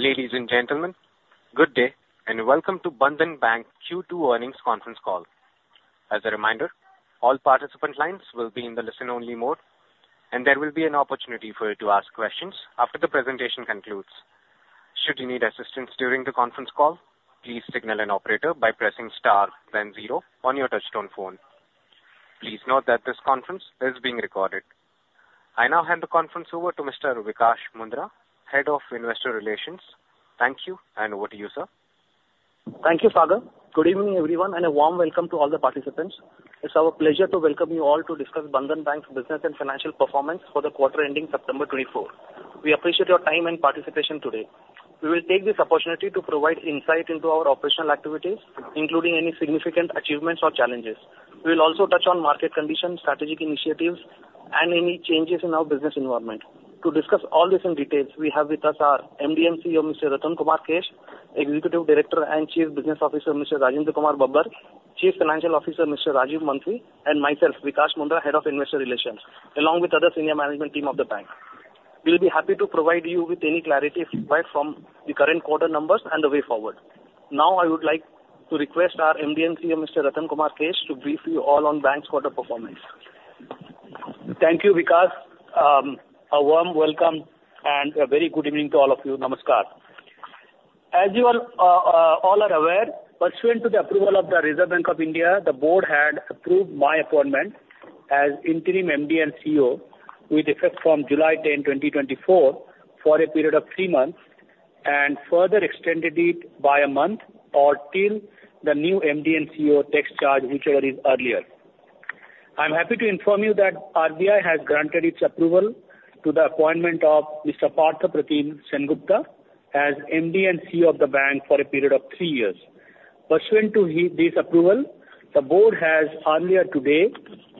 Ladies and gentlemen, good day, and welcome to Bandhan Bank Q2 earnings conference call. As a reminder, all participant lines will be in the listen-only mode, and there will be an opportunity for you to ask questions after the presentation concludes. Should you need assistance during the conference call, please signal an operator by pressing star then zero on your touchtone phone. Please note that this conference is being recorded. I now hand the conference over to Mr. Vikash Mundhra, Head of Investor Relations. Thank you, and over to you, sir. Thank you, Sagar. Good evening, everyone, and a warm welcome to all the participants. It's our pleasure to welcome you all to discuss Bandhan Bank's business and financial performance for the quarter ending September 2024. We appreciate your time and participation today. We will take this opportunity to provide insight into our operational activities, including any significant achievements or challenges. We will also touch on market conditions, strategic initiatives, and any changes in our business environment. To discuss all this in details, we have with us our MD&CEO, Mr. Ratan Kumar Kesh, Executive Director and Chief Business Officer, Mr. Rajinder Kumar Babbar, Chief Financial Officer, Mr. Rajeev Mantri, and myself, Vikash Mundhra, Head of Investor Relations, along with other senior management team of the bank. We'll be happy to provide you with any clarity required from the current quarter numbers and the way forward. Now, I would like to request our MD&CEO, Mr. Ratan Kumar Kesh, to brief you all on bank's quarter performance. Thank you, Vikash. A warm welcome and a very good evening to all of you. Namaskar. As you all are aware, pursuant to the approval of the Reserve Bank of India, the board had approved my appointment as interim MD and CEO with effect from July 10, 2024, for a period of three months, and further extended it by a month or till the new MD and CEO takes charge, whichever is earlier. I'm happy to inform you that RBI has granted its approval to the appointment of Mr. Partha Pratim Sengupta as MD and CEO of the bank for a period of three years. Pursuant to this approval, the board has earlier today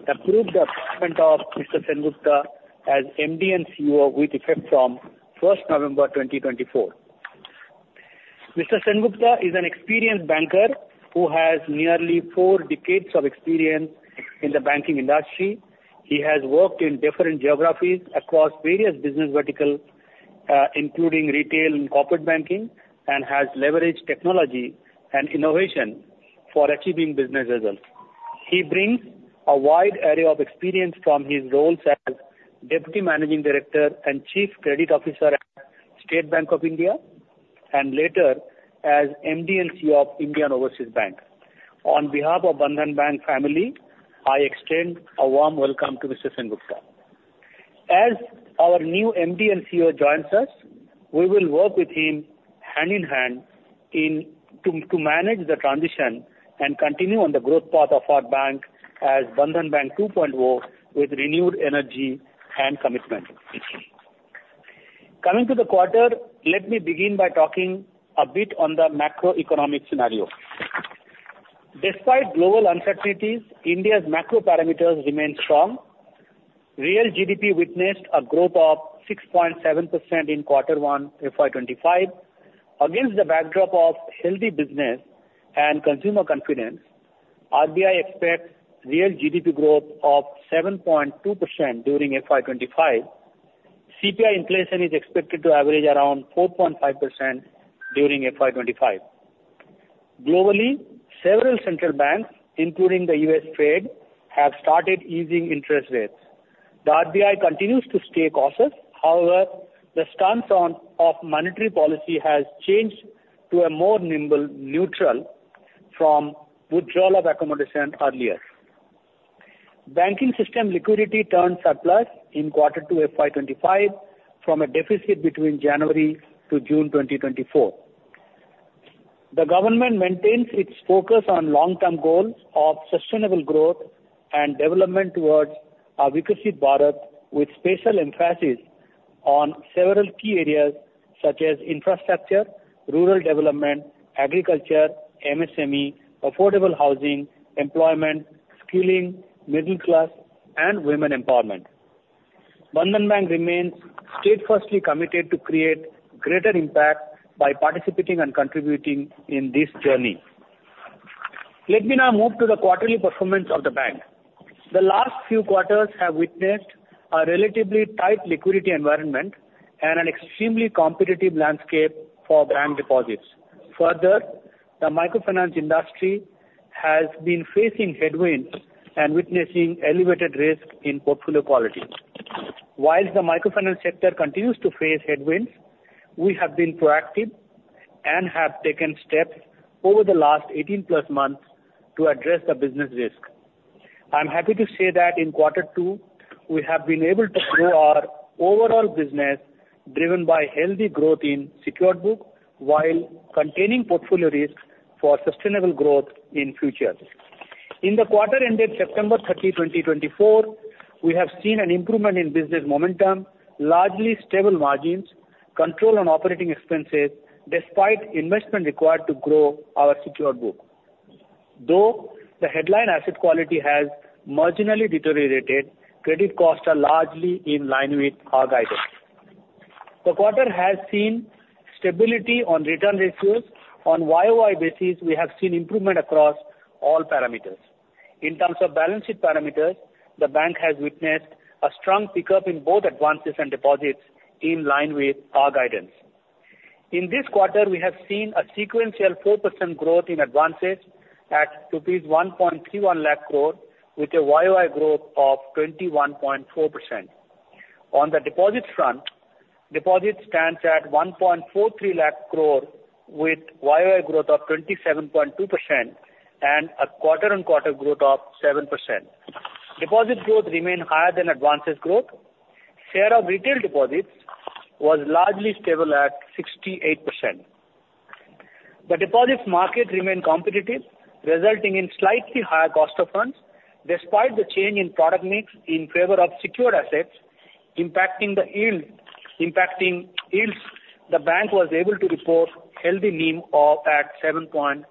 approved the appointment of Mr. Sengupta as MD and CEO, with effect from November 1, 2024. Mr. Sengupta is an experienced banker, who has nearly four decades of experience in the banking industry. He has worked in different geographies across various business vertical, including retail and corporate banking, and has leveraged technology and innovation for achieving business results. He brings a wide array of experience from his roles as Deputy Managing Director and Chief Credit Officer at State Bank of India, and later as MD and CEO of Indian Overseas Bank. On behalf of Bandhan Bank family, I extend a warm welcome to Mr. Sengupta. As our new MD and CEO joins us, we will work with him hand in hand to manage the transition and continue on the growth path of our bank as Bandhan Bank 2.0, with renewed energy and commitment. Coming to the quarter, let me begin by talking a bit on the macroeconomic scenario. Despite global uncertainties, India's macro parameters remain strong. Real GDP witnessed a growth of 6.7% in quarter one, FY 2025. Against the backdrop of healthy business and consumer confidence, RBI expects real GDP growth of 7.2% during FY 2025. CPI inflation is expected to average around 4.5% during FY 2025. Globally, several central banks, including the US Fed, have started easing interest rates. The RBI continues to stay cautious, however, the stance of monetary policy has changed to a more neutral from withdrawal of accommodation earlier. Banking system liquidity turned surplus in quarter two, FY 2025, from a deficit between January to June 2024. The government maintains its focus on long-term goals of sustainable growth and development towards a Viksit Bharat, with special emphasis on several key areas such as infrastructure, rural development, agriculture, MSME, affordable housing, employment, skilling, middle class, and women empowerment. Bandhan Bank remains steadfastly committed to create greater impact by participating and contributing in this journey. Let me now move to the quarterly performance of the bank. The last few quarters have witnessed a relatively tight liquidity environment and an extremely competitive landscape for bank deposits. Further, the microfinance industry has been facing headwinds and witnessing elevated risk in portfolio quality. Whilst the microfinance sector continues to face headwinds, we have been proactive and have taken steps over the last 18+ months to address the business risk. I'm happy to say that in quarter two, we have been able to grow our overall business, driven by healthy growth in secured book, while containing portfolio risk for sustainable growth in future. In the quarter ending September 30, 2024, we have seen an improvement in business momentum, largely stable margins, control on operating expenses, despite investment required to grow our secured book. Though the headline asset quality has marginally deteriorated, credit costs are largely in line with our guidance. The quarter has seen stability on return ratios. On YOY basis, we have seen improvement across all parameters. In terms of balance sheet parameters, the bank has witnessed a strong pickup in both advances and deposits, in line with our guidance. In this quarter, we have seen a sequential 4% growth in advances at rupees 1.31 lakh crore, with a YOY growth of 21.4%. On the deposit front, deposits stands at 1.43 lakh crore, with YOY growth of 27.2% and a quarter on quarter growth of 7%. Deposit growth remain higher than advances growth. Share of retail deposits was largely stable at 68%. The deposits market remained competitive, resulting in slightly higher cost of funds. Despite the change in product mix in favor of secured assets impacting the yield, impacting yields, the bank was able to report healthy NIM of 7.4%.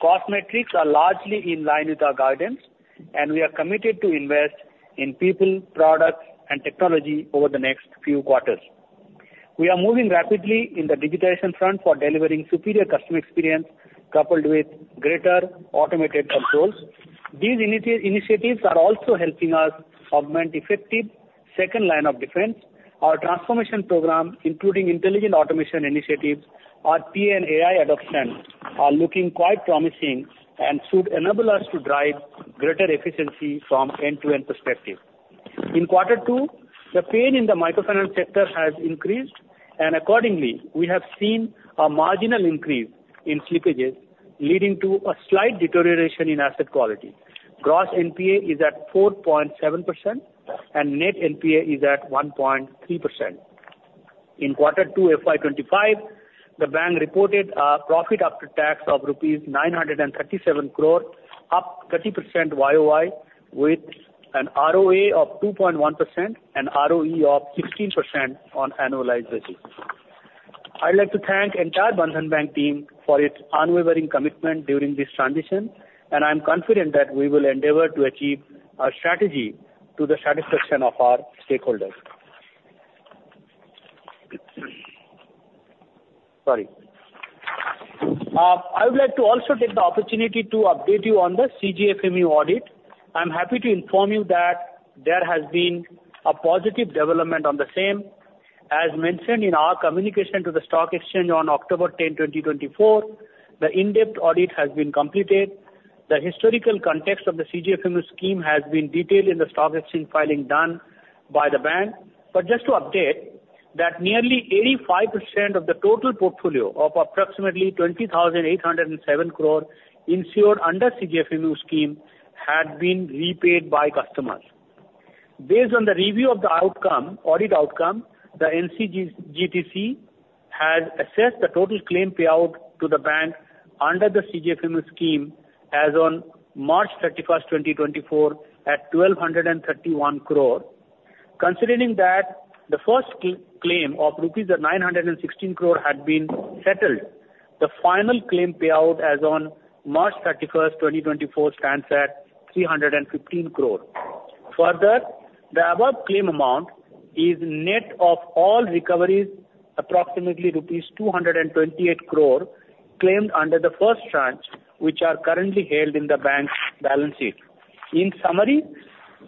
Cost metrics are largely in line with our guidance, and we are committed to invest in people, products, and technology over the next few quarters. We are moving rapidly in the digitization front for delivering superior customer experience, coupled with greater automated controls. These initiatives are also helping us augment effective second line of defense. Our transformation program, including intelligent automation initiatives, RPA and AI adoption, are looking quite promising and should enable us to drive greater efficiency from end-to-end perspective. In quarter two, the pain in the microfinance sector has increased, and accordingly, we have seen a marginal increase in slippages, leading to a slight deterioration in asset quality. Gross NPA is at 4.7%, and net NPA is at 1.3%. In quarter two FY 2025, the bank reported a profit after tax of rupees 937 crore, up 30% YOY, with an ROA of 2.1% and ROE of 16% on annualized basis. I'd like to thank entire Bandhan Bank team for its unwavering commitment during this transition, and I'm confident that we will endeavor to achieve our strategy to the satisfaction of our stakeholders. Sorry. I would like to also take the opportunity to update you on the CGFMU audit. I'm happy to inform you that there has been a positive development on the same. As mentioned in our communication to the stock exchange on October 10, 2024, the in-depth audit has been completed. The historical context of the CGFMU scheme has been detailed in the stock exchange filing done by the bank. But just to update, that nearly 85% of the total portfolio of approximately 20,807 crore insured under CGFMU scheme had been repaid by customers. Based on the review of the outcome, audit outcome, the NCGTC has assessed the total claim payout to the bank under the CGFMU scheme as on March 31st 2024, at 1,231 crore. Considering that the first claim of rupees 916 crore had been settled, the final claim payout as on March 31st, 2024 stands at 315 crore. Further, the above claim amount is net of all recoveries, approximately rupees 228 crore, claimed under the first tranche, which are currently held in the bank's balance sheet. In summary,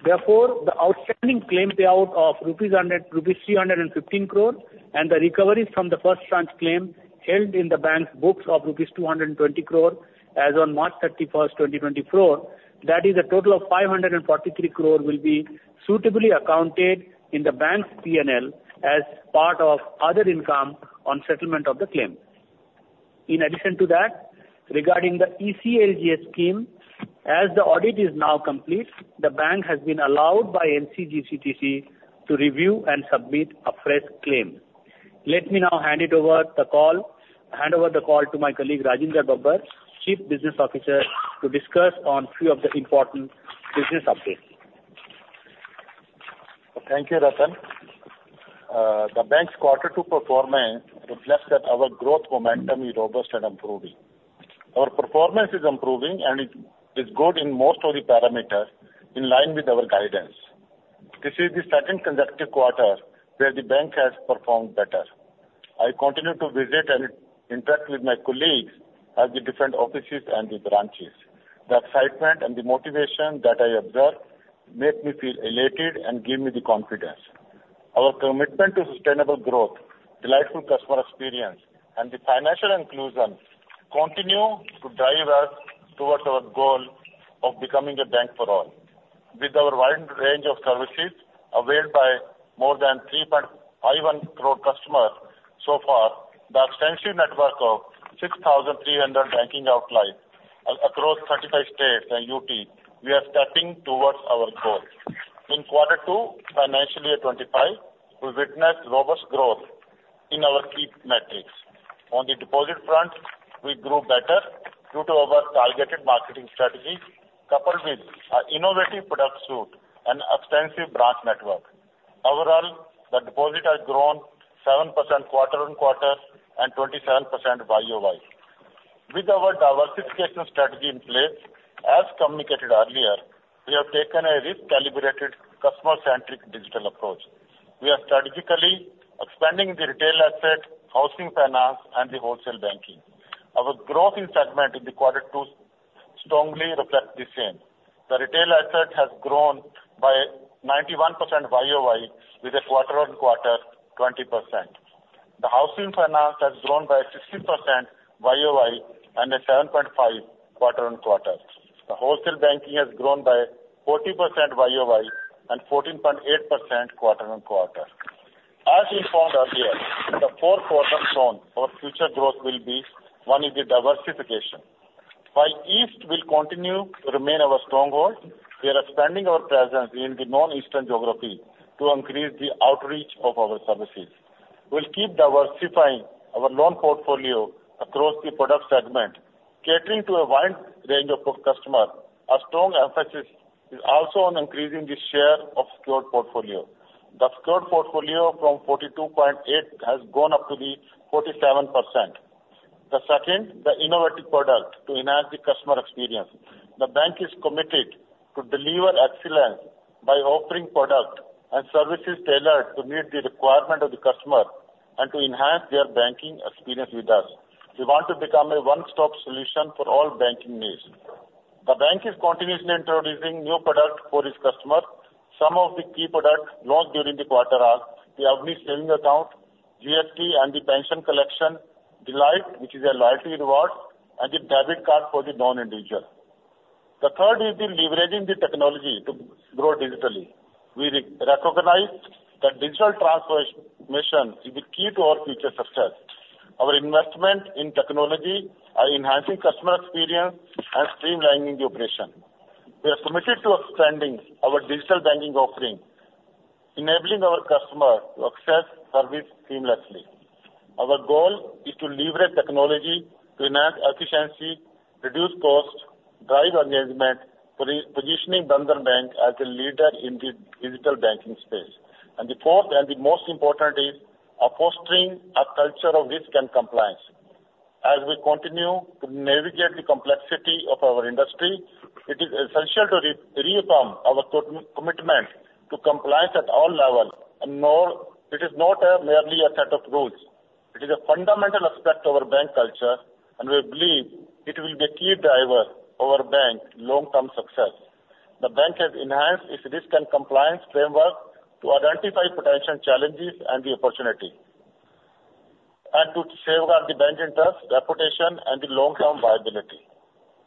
therefore, the outstanding claim payout of 100 crore rupees, 315 crore, and the recoveries from the first tranche claim held in the bank's books of rupees 220 crore as on March 31st, 2024, that is a total of 543 crore, will be suitably accounted in the bank's P&L as part of other income on settlement of the claim. In addition to that, regarding the ECLGS scheme, as the audit is now complete, the bank has been allowed by NCGTC to review and submit a fresh claim. Let me now hand over the call to my colleague, Rajinder Babbar, Chief Business Officer, to discuss on few of the important business updates. Thank you, Ratan. The bank's quarter two performance reflects that our growth momentum is robust and improving. Our performance is improving, and it is good in most of the parameters, in line with our guidance. This is the second consecutive quarter where the bank has performed better. I continue to visit and interact with my colleagues at the different offices and the branches. The excitement and the motivation that I observe make me feel elated and give me the confidence. Our commitment to sustainable growth, delightful customer experience, and the financial inclusion continue to drive us towards our goal of becoming a bank for all. With our wide range of services availed by more than 3.51 crore customers so far, the extensive network of 6,300 banking outlets across 35 states and UT, we are stepping towards our goal. In quarter two, financially at 2025, we witnessed robust growth in our key metrics. On the deposit front, we grew better due to our targeted marketing strategy, coupled with our innovative product suite and extensive branch network. Overall, the deposit has grown 7% quarter on quarter and 27% YOY. With our diversification strategy in place, as communicated earlier, we have taken a risk calibrated, customer-centric digital approach. We are strategically expanding the retail asset, housing finance, and the wholesale banking. Our growth in segment in the quarter two strongly reflects the same. The retail asset has grown by 91% YOY, with a quarter on quarter, 20%. The housing finance has grown by 60% YOY, and a 7.5 quarter on quarter. The wholesale banking has grown by 40% YOY, and 14.8% quarter on quarter. As informed earlier, the fourth quarter zone for future growth will be one is the diversification. While East will continue to remain our stronghold, we are expanding our presence in the non-eastern geography to increase the outreach of our services. We'll keep diversifying our loan portfolio across the product segment, catering to a wide range of pro-customer. Our strong emphasis is also on increasing the share of secured portfolio. The secured portfolio from 42.8% has gone up to 47%. The second, the innovative product to enhance the customer experience. The bank is committed to deliver excellence by offering product and services tailored to meet the requirement of the customer and to enhance their banking experience with us. We want to become a one-stop solution for all banking needs. The bank is continuously introducing new product for its customer. Some of the key products launched during the quarter are the Avni Savings Account, GST, and the pension collection, Delight, which is a loyalty reward, and the debit card for the non-individual. The third is leveraging the technology to grow digitally. We recognize that digital transformation is the key to our future success. Our investment in technology are enhancing customer experience and streamlining the operation. We are committed to expanding our digital banking offering, enabling our customer to access service seamlessly. Our goal is to leverage technology to enhance efficiency, reduce costs, drive engagement, positioning Bandhan Bank as a leader in the digital banking space. And the fourth, and the most important, is fostering a culture of risk and compliance. As we continue to navigate the complexity of our industry, it is essential to reaffirm our commitment to compliance at all levels, and note that it is not merely a set of rules. It is a fundamental aspect of our bank culture, and we believe it will be a key driver of our bank's long-term success. The bank has enhanced its risk and compliance framework to identify potential challenges and the opportunity, and to safeguard the bank interest, reputation, and the long-term viability.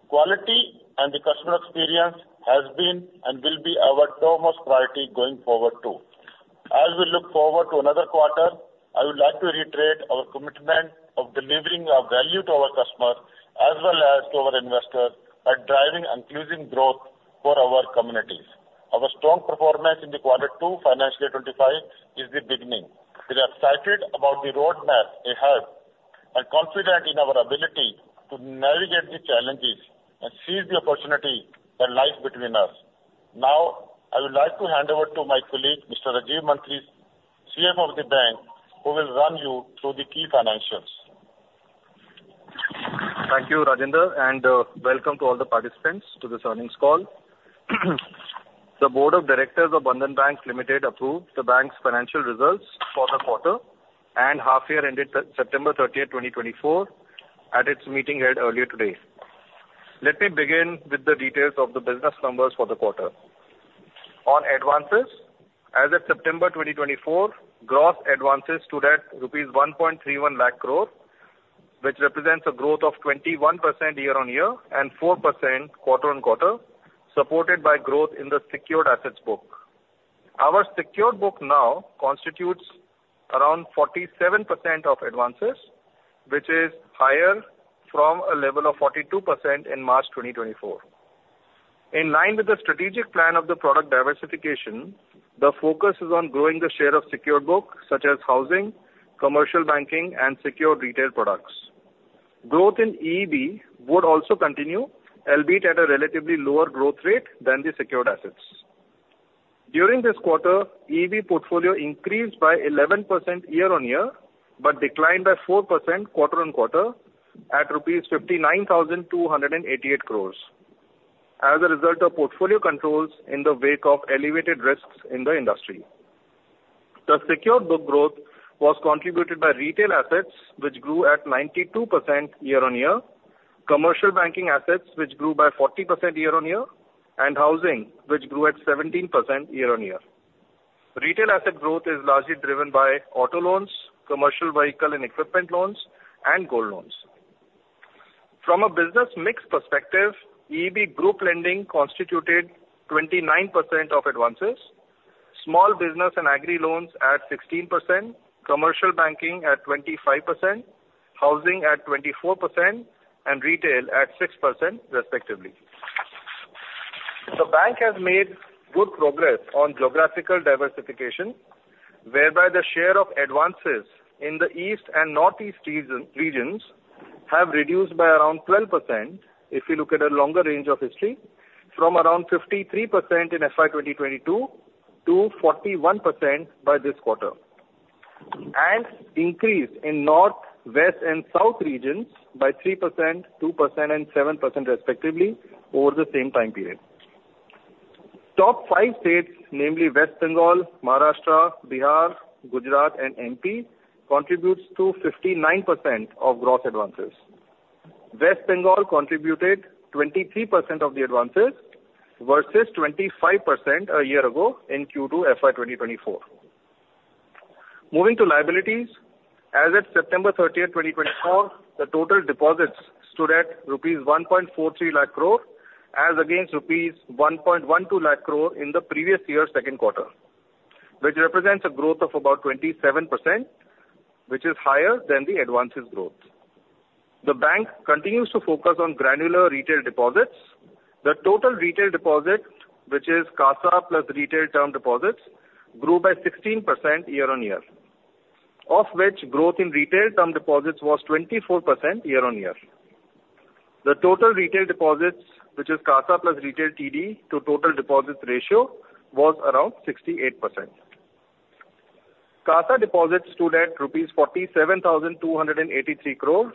Quality and the customer experience has been and will be our topmost priority going forward, too. As we look forward to another quarter, I would like to reiterate our commitment to delivering value to our customers, as well as to our investors, by driving inclusive growth for our communities. Our strong performance in the quarter two financial year 2025 is the beginning. We are excited about the roadmap ahead and confident in our ability to navigate the challenges and seize the opportunity that lies between us. Now, I would like to hand over to my colleague, Mr. Rajeev Mantri, CFO of the bank, who will run you through the key financials. Thank you, Rajinder, and welcome to all the participants to this earnings call. The Board of Directors of Bandhan Bank Limited approved the bank's financial results for the quarter and half year ended September 30th, 2024 at its meeting held earlier today. Let me begin with the details of the business numbers for the quarter. On advances, as of September 2024, gross advances stood at rupees 1.31 lakh crore, which represents a growth of 21% year on year and 4% quarter on quarter, supported by growth in the secured assets book. Our secured book now constitutes around 47% of advances, which is higher from a level of 42% in March 2024. In line with the strategic plan of the product diversification, the focus is on growing the share of secured book, such as housing, commercial banking, and secured retail products. Growth in EEB would also continue, albeit at a relatively lower growth rate than the secured assets. During this quarter, EEB portfolio increased by 11% year on year, but declined by 4% quarter on quarter at rupees 59,288 crore, as a result of portfolio controls in the wake of elevated risks in the industry. The secured book growth was contributed by retail assets, which grew at 92% year on year, commercial banking assets, which grew by 40% year on year, and housing, which grew at 17% year on year. Retail asset growth is largely driven by auto loans, commercial vehicle and equipment loans, and gold loans. From a business mix perspective, EEB group lending constituted 29% of advances, small business and agri loans at 16%, commercial banking at 25%, housing at 24%, and retail at 6%, respectively. The bank has made good progress on geographical diversification, whereby the share of advances in the East and Northeast regions have reduced by around 12%, if you look at a longer range of history, from around 53% in FY 2022 to 41% by this quarter, and increased in North, West, and South regions by 3%, 2%, and 7%, respectively, over the same time period. The top five states, namely West Bengal, Maharashtra, Bihar, Gujarat, and MP, contribute to 59% of gross advances. West Bengal contributed 23% of the advances, versus 25% a year ago in Q2 FY 2024. Moving to liabilities, as at September 30th, 2024, the total deposits stood at rupees 1.43 lakh crore, as against rupees 1.12 lakh crore in the previous year's second quarter, which represents a growth of about 27%, which is higher than the advances growth. The bank continues to focus on granular retail deposits. The total retail deposits, which is CASA plus retail term deposits, grew by 16% year-on-year, of which growth in retail term deposits was 24% year-on-year. The total retail deposits, which is CASA plus retail TD to total deposits ratio, was around 68%. CASA deposits stood at rupees 47,283 crore,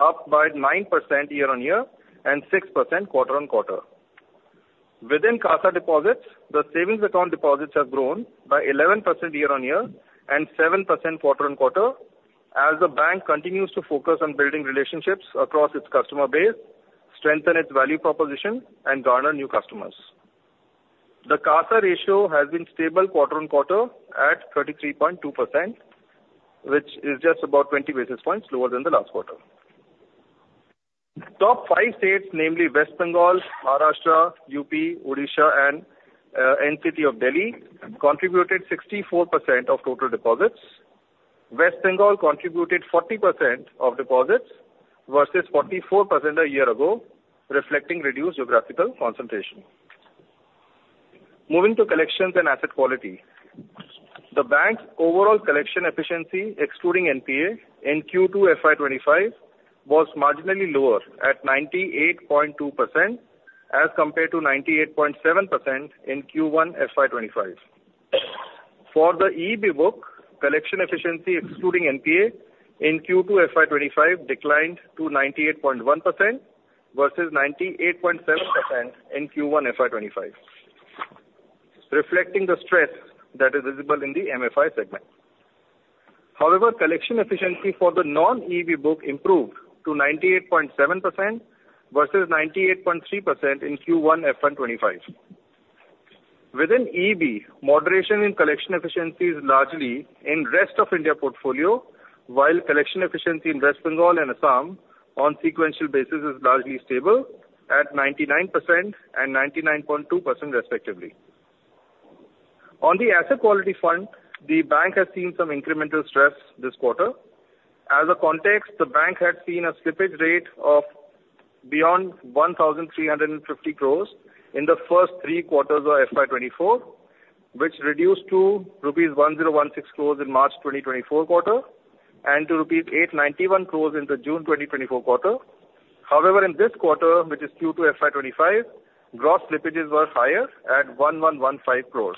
up by 9% year-on-year and 6% quarter-on-quarter. Within CASA deposits, the savings account deposits have grown by 11% year-on-year and 7% quarter-on-quarter, as the bank continues to focus on building relationships across its customer base, strengthen its value proposition, and garner new customers. The CASA ratio has been stable quarter-on-quarter at 33.2%, which is just about 20 basis points lower than the last quarter. Top five states, namely West Bengal, Maharashtra, UP, Odisha, and NCT of Delhi, contributed 64% of total deposits. West Bengal contributed 40% of deposits, versus 44% a year ago, reflecting reduced geographical concentration. Moving to collections and asset quality. The bank's overall collection efficiency, excluding NPA, in Q2 FY 2025, was marginally lower at 98.2%, as compared to 98.7% in Q1 FY 2025. For the EEB book, collection efficiency excluding NPA, in Q2 FY25 declined to 98.1% versus 98.7% in Q1 FY25, reflecting the stress that is visible in the MFI segment. However, collection efficiency for the non-EEB book improved to 98.7% versus 98.3% in Q1 FY25. Within EEB, moderation in collection efficiency is largely in rest of India portfolio, while collection efficiency in West Bengal and Assam on sequential basis is largely stable at 99% and 99.2% respectively. On the asset quality front, the bank has seen some incremental stress this quarter. As a context, the bank had seen a slippage rate of beyond 1,350 crores in the first three quarters of FY 2024, which reduced to rupees 1,016 crores in the March 2024 quarter and to rupees 891 crores in the June 2024 quarter. However, in this quarter, which is Q2 FY 2025, gross slippages were higher at 1,115 crores.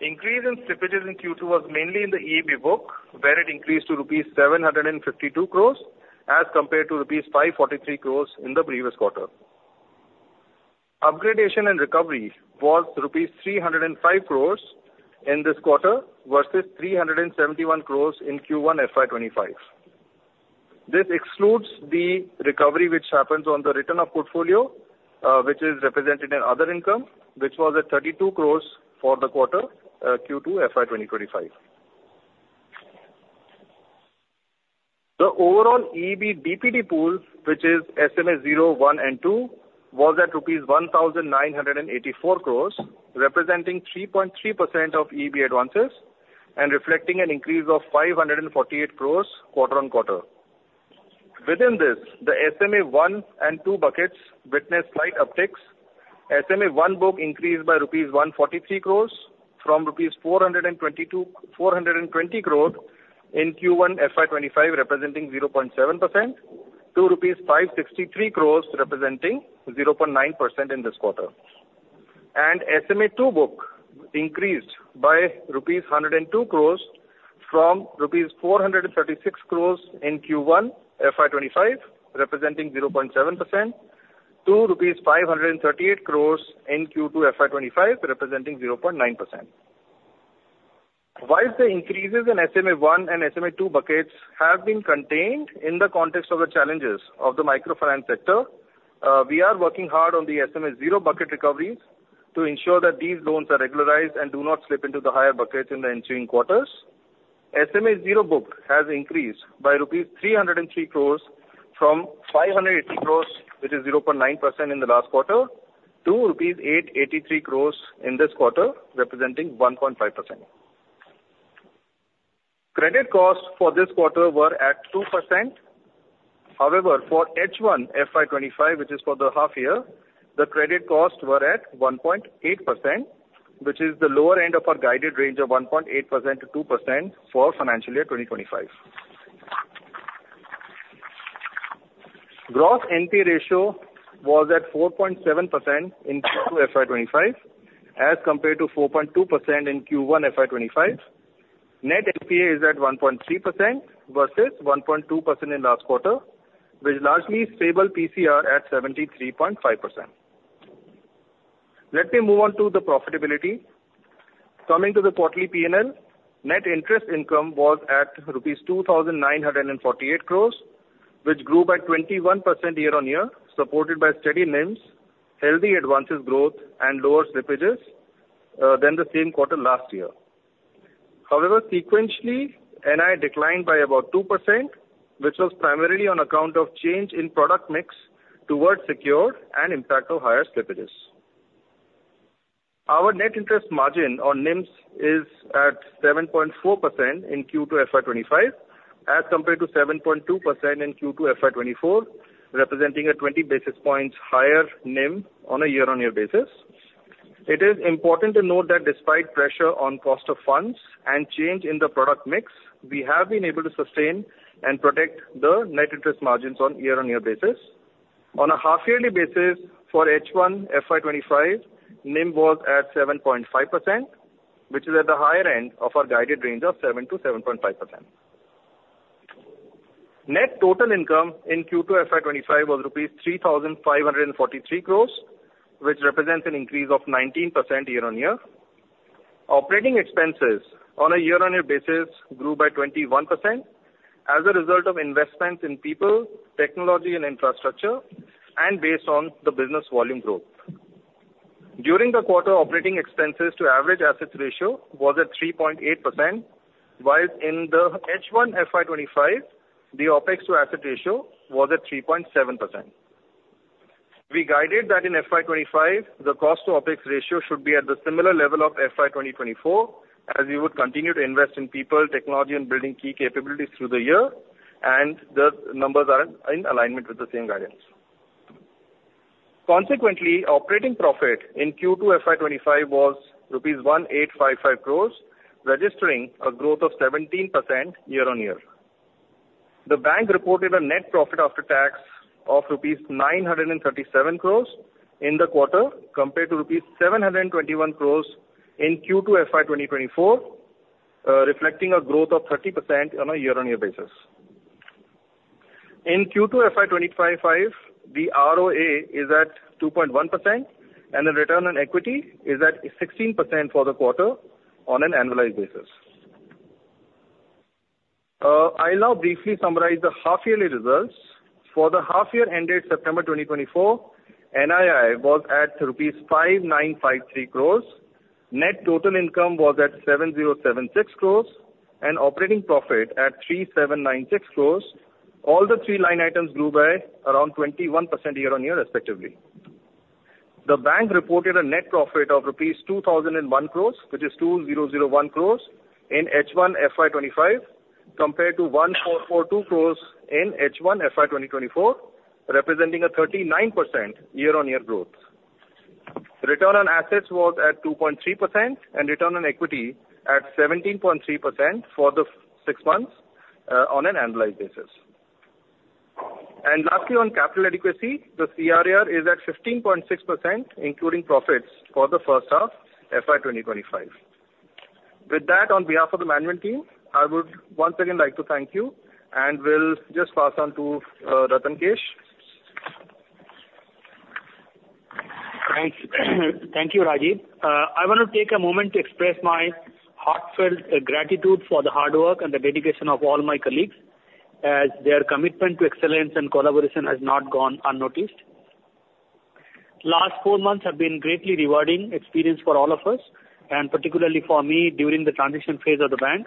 Increase in slippages in Q2 was mainly in the EEB book, where it increased to rupees 752 crores as compared to rupees 543 crores in the previous quarter. Upgradation and recovery was rupees 305 crores in this quarter, versus 371 crores in Q1 FY 2025. This excludes the recovery which happens on the return of portfolio, which is represented in other income, which was at 32 crores for the quarter, Q2 FY 2025. The overall EEB DPD pool, which is SMA zero, one, and two, was at rupees 1,984 crores, representing 3.3% of EEB advances and reflecting an increase of 548 crores quarter-on-quarter. Within this, the SMA one and two buckets witnessed slight upticks. SMA-one book increased by rupees 143 crores from INR 420 to 420 crore in Q1 FY 2025, representing 0.7%, to rupees 563 crores, representing 0.9% in this quarter. And SMA-2 book increased by rupees 102 crores from rupees 436 crores in Q1 FY 2025, representing 0.7%, to rupees 538 crores in Q2 FY 2025, representing 0.9%. While the increases in SMA-1 and SMA-2 buckets have been contained in the context of the challenges of the microfinance sector, we are working hard on the SMA-0 bucket recoveries to ensure that these loans are regularized and do not slip into the higher buckets in the ensuing quarters. SMA-0 book has increased by rupees 303 crores from 580 crores, which is 0.9% in the last quarter, to rupees 883 crores in this quarter, representing 1.5%. Credit costs for this quarter were at 2%. However, for H1 FY 2025, which is for the half year, the credit costs were at 1.8%, which is the lower end of our guided range of 1.8%-2% for financial year 2025. Gross NPA ratio was at 4.7% in Q2 FY 2025, as compared to 4.2% in Q1 FY 2025. Net NPA is at 1.3% versus 1.2% in last quarter, with largely stable PCR at 73.5%. Let me move on to the profitability. Coming to the quarterly P&L, net interest income was at rupees 2,948 crores, which grew by 21% year-on-year, supported by steady NIMS, healthy advances growth and lower slippages than the same quarter last year. However, sequentially, NII declined by about 2%, which was primarily on account of change in product mix towards secured and impact of higher slippages. Our net interest margin, NIM, is at 7.4% in Q2 FY 2025, as compared to 7.2% in Q2 FY 2024, representing a 20 basis points higher NIM on a year-on-year basis. It is important to note that despite pressure on cost of funds and change in the product mix, we have been able to sustain and protect the net interest margins on year-on-year basis. On a half-yearly basis for H1 FY 2025, NIM was at 7.5%, which is at the higher end of our guided range of 7%-7.5%. Net total income in Q2 FY 2025 was rupees 3,543 crore, which represents an increase of 19% year-on-year. Operating expenses on a year-on-year basis grew by 21% as a result of investments in people, technology and infrastructure, and based on the business volume growth. During the quarter, operating expenses to average assets ratio was at 3.8%, while in the H1 FY 2025, the OpEx to asset ratio was at 3.7%. We guided that in FY 2025, the cost to OpEx ratio should be at the similar level of FY 2024, as we would continue to invest in people, technology and building key capabilities through the year, and the numbers are in alignment with the same guidance. Consequently, operating profit in Q2 FY25 was rupees 1,855 crores, registering a growth of 17% year-on-year. The bank reported a net profit after tax of rupees 937 crores in the quarter, compared to rupees 721 crores in Q2 FY24, reflecting a growth of 30% on a year-on-year basis. In Q2 FY25, the ROA is at 2.1%, and the return on equity is at 16% for the quarter on an annualized basis. I'll now briefly summarize the half-yearly results. For the half year ended September 2024, NII was at rupees 5,953 crores, net total income was at 7,076 crores, and operating profit at 3,796 crores. All the three line items grew by around 21% year-on-year, respectively. The bank reported a net profit of rupees 2,001 crores, which is 2,001 crores in H1 FY 2025, compared to 1,442 crores in H1 FY 2024, representing a 39% year-on-year growth. Return on assets was at 2.3% and return on equity at 17.3% for the six months, on an annualized basis. And lastly, on capital adequacy, the CRAR is at 15.6%, including profits for the first half, FY 2025. With that, on behalf of the management team, I would once again like to thank you, and will just pass on to Ratan Kesh. Thanks. Thank you, Rajeev. I want to take a moment to express my heartfelt gratitude for the hard work and the dedication of all my colleagues, as their commitment to excellence and collaboration has not gone unnoticed. Last four months have been greatly rewarding experience for all of us, and particularly for me, during the transition phase of the bank.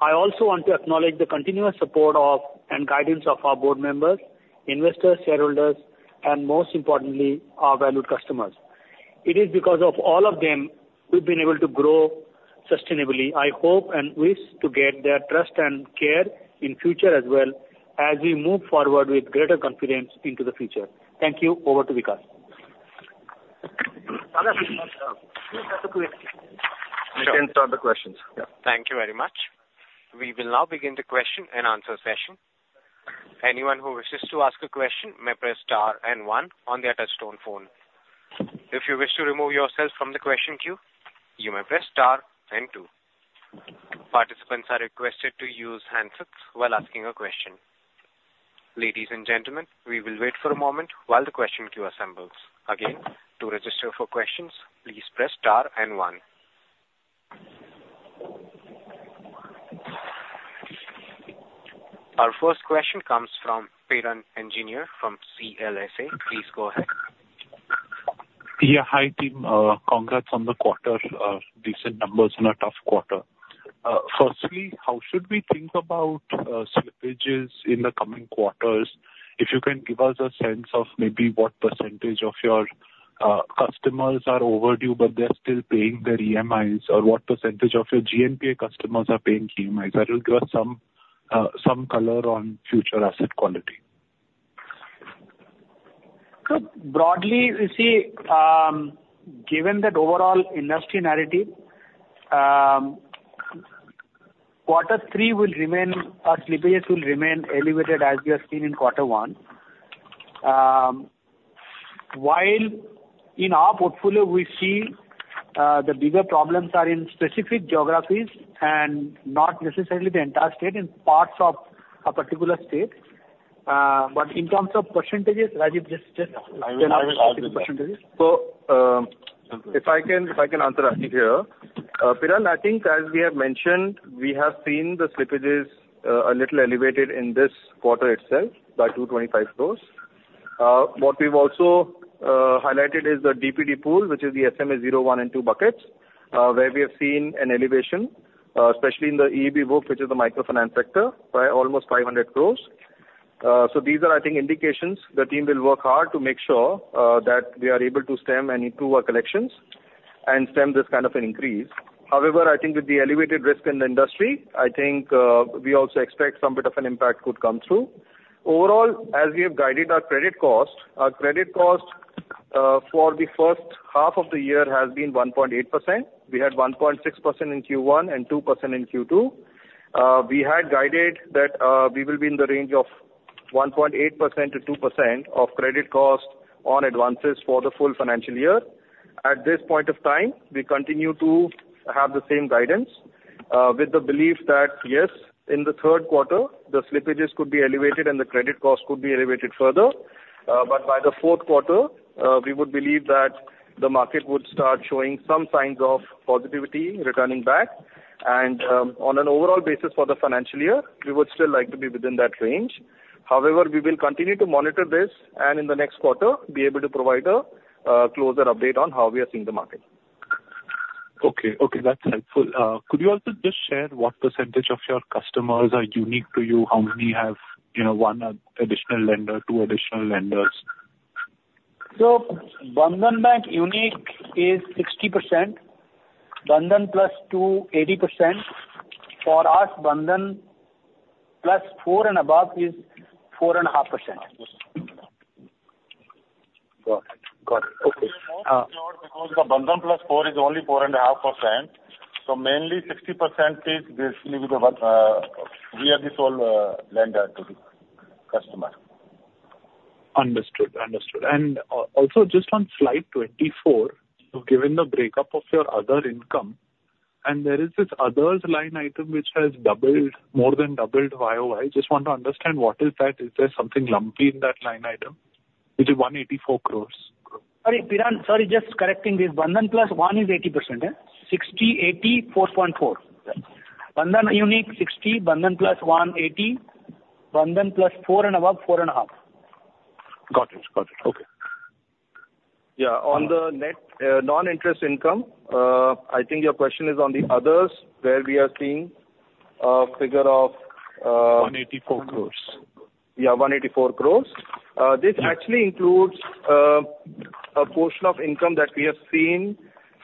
I also want to acknowledge the continuous support of, and guidance of our board members, investors, shareholders, and most importantly, our valued customers. It is because of all of them we've been able to grow sustainably. I hope and wish to get their trust and care in future as well, as we move forward with greater confidence into the future. Thank you. Over to Vikash. We can start the questions. Yeah. Thank you very much. We will now begin the question and answer session. Anyone who wishes to ask a question may press star and one on their touchtone phone. If you wish to remove yourself from the question queue, you may press star and two. Participants are requested to use handsets while asking a question. Ladies and gentlemen, we will wait for a moment while the question queue assembles. Again, to register for questions, please press star and one. Our first question comes from Piran Engineer from CLSA. Please go ahead. Yeah, hi, team. Congrats on the quarter, decent numbers in a tough quarter. Firstly, how should we think about slippages in the coming quarters? If you can give us a sense of maybe what percentage of your customers are overdue, but they're still paying their EMIs, or what percentage of your GNPA customers are paying EMIs? That will give us some color on future asset quality. Broadly, you see, given that overall industry narrative, quarter three will remain or slippage will remain elevated, as we have seen in quarter one. While in our portfolio, we see, the bigger problems are in specific geographies and not necessarily the entire state, in parts of a particular state. But in terms of percentages, Rajeev, just- I will talk about percentages, so if I can answer, Rajeev here. Piran, I think as we have mentioned, we have seen the slippages a little elevated in this quarter itself by 225 crores. What we've also highlighted is the DPD pool, which is the SMA-0, SMA-1, and SMA-2 buckets, where we have seen an elevation especially in the EEB book, which is the microfinance sector, by almost 500 crores. So these are, I think, indications. The team will work hard to make sure that we are able to stem and improve our collections and stem this kind of an increase. However, I think with the elevated risk in the industry, I think we also expect some bit of an impact could come through. Overall, as we have guided our credit cost, our credit cost, for the first half of the year has been 1.8%. We had 1.6% in Q1 and 2% in Q2. We had guided that, we will be in the range of 1.8% to 2% of credit cost on advances for the full financial year. At this point of time, we continue to have the same guidance, with the belief that, yes, in the third quarter, the slippages could be elevated and the credit cost could be elevated further. But by the fourth quarter, we would believe that the market would start showing some signs of positivity returning back and, on an overall basis for the financial year, we would still like to be within that range. However, we will continue to monitor this, and in the next quarter, be able to provide a closer update on how we are seeing the market. Okay. Okay, that's helpful. Could you also just share what percentage of your customers are unique to you? How many have, you know, one additional lender, two additional lenders? Bandhan Bank unique is 60%. Bandhan +2, 80%. For us, Bandhan +4 and above is 4.5%. Got it. Okay. Because the Bandhan +4 is only 4.5%, so mainly 60% is basically the one, we are the sole lender to the customer. Understood, and also, just on slide 24, you've given the breakup of your other income, and there is this others line item which has doubled, more than doubled YoY. Just want to understand what is that? Is there something lumpy in that line item? It is 184 crore. Sorry, Piran, sorry, just correcting this. Bandhan +1 is 80%, eh? 60%, 80%, 4.4. Bandhan unique, 60%; Bandhan +1, 80%; Bandhan +4 and above, 4.5. Got it. Got it. Okay. Yeah, on the net non-interest income, I think your question is on the others, where we are seeing a figure of 184 crores. Yeah, 184 crores. This actually includes a portion of income that we have seen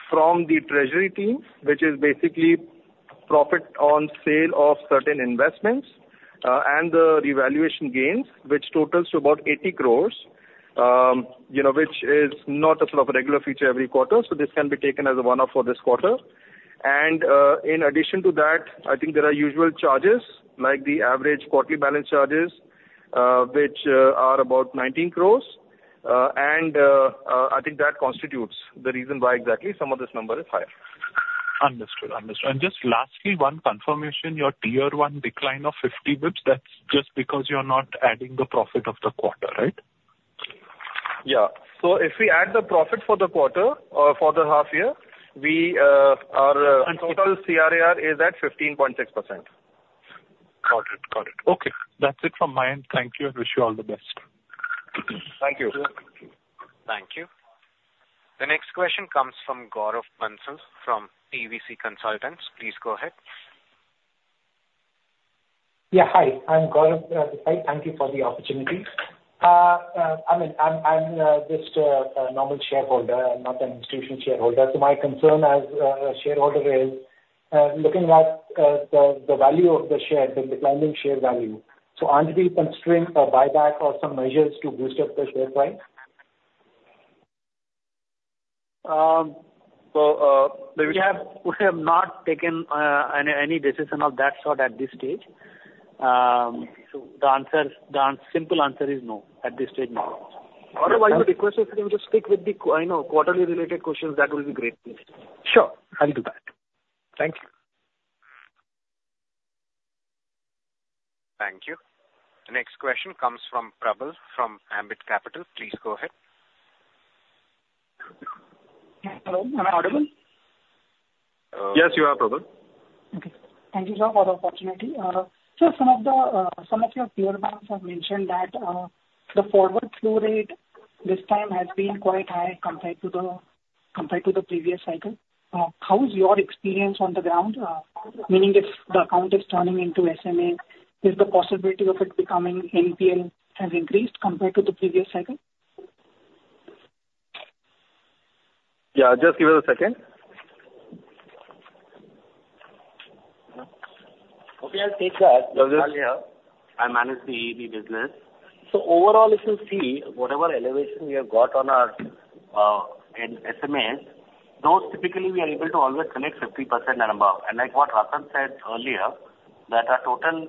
from the treasury team, which is basically profit on sale of certain investments and the revaluation gains, which totals to about 80 crores. You know, which is not a sort of a regular feature every quarter, so this can be taken as a one-off for this quarter, and in addition to that, I think there are usual charges, like the average quarterly balance charges, which are about 19 crores. And I think that constitutes the reason why exactly some of this number is higher. Understood. Understood. And just lastly, one confirmation, your Tier I decline of 50 basis points, that's just because you're not adding the profit of the quarter, right? Yeah. So if we add the profit for the quarter, for the half year, we, our, total CRAR is at 15.6%. Got it. Got it. Okay. That's it from my end. Thank you, and wish you all the best. Thank you. Thank you. The next question comes from Gaurav Bansal, from PVC Consultants. Please go ahead. Yeah, hi, I'm Gaurav. Hi, thank you for the opportunity. I mean, I'm just a normal shareholder and not an institutional shareholder, so my concern as a shareholder is looking at the value of the share, the declining share value. So aren't we considering a buyback or some measures to boost up the share price? So, we have not taken any decision of that sort at this stage. So the simple answer is no. At this stage, no. Gaurav, I would request you if you can just stick with the quarterly related questions. I know, that will be great, please. Sure, I'll do that. Thank you. Thank you. The next question comes from Prabal, from Ambit Capital. Please go ahead. Hello, am I audible? Yes, you are, Prabal. Okay. Thank you so for the opportunity. So some of your peer banks have mentioned that the forward flow rate this time has been quite high compared to the previous cycle. How is your experience on the ground? Meaning if the account is turning into SMA, is the possibility of it becoming NPL has increased compared to the previous cycle? Yeah, just give us a second. Okay, I'll take that. Vishal here. I manage the EEB business. So overall, if you see whatever elevation we have got on our SMAs, those typically we are able to always collect 50% and above. And like what Ratan said earlier, that our total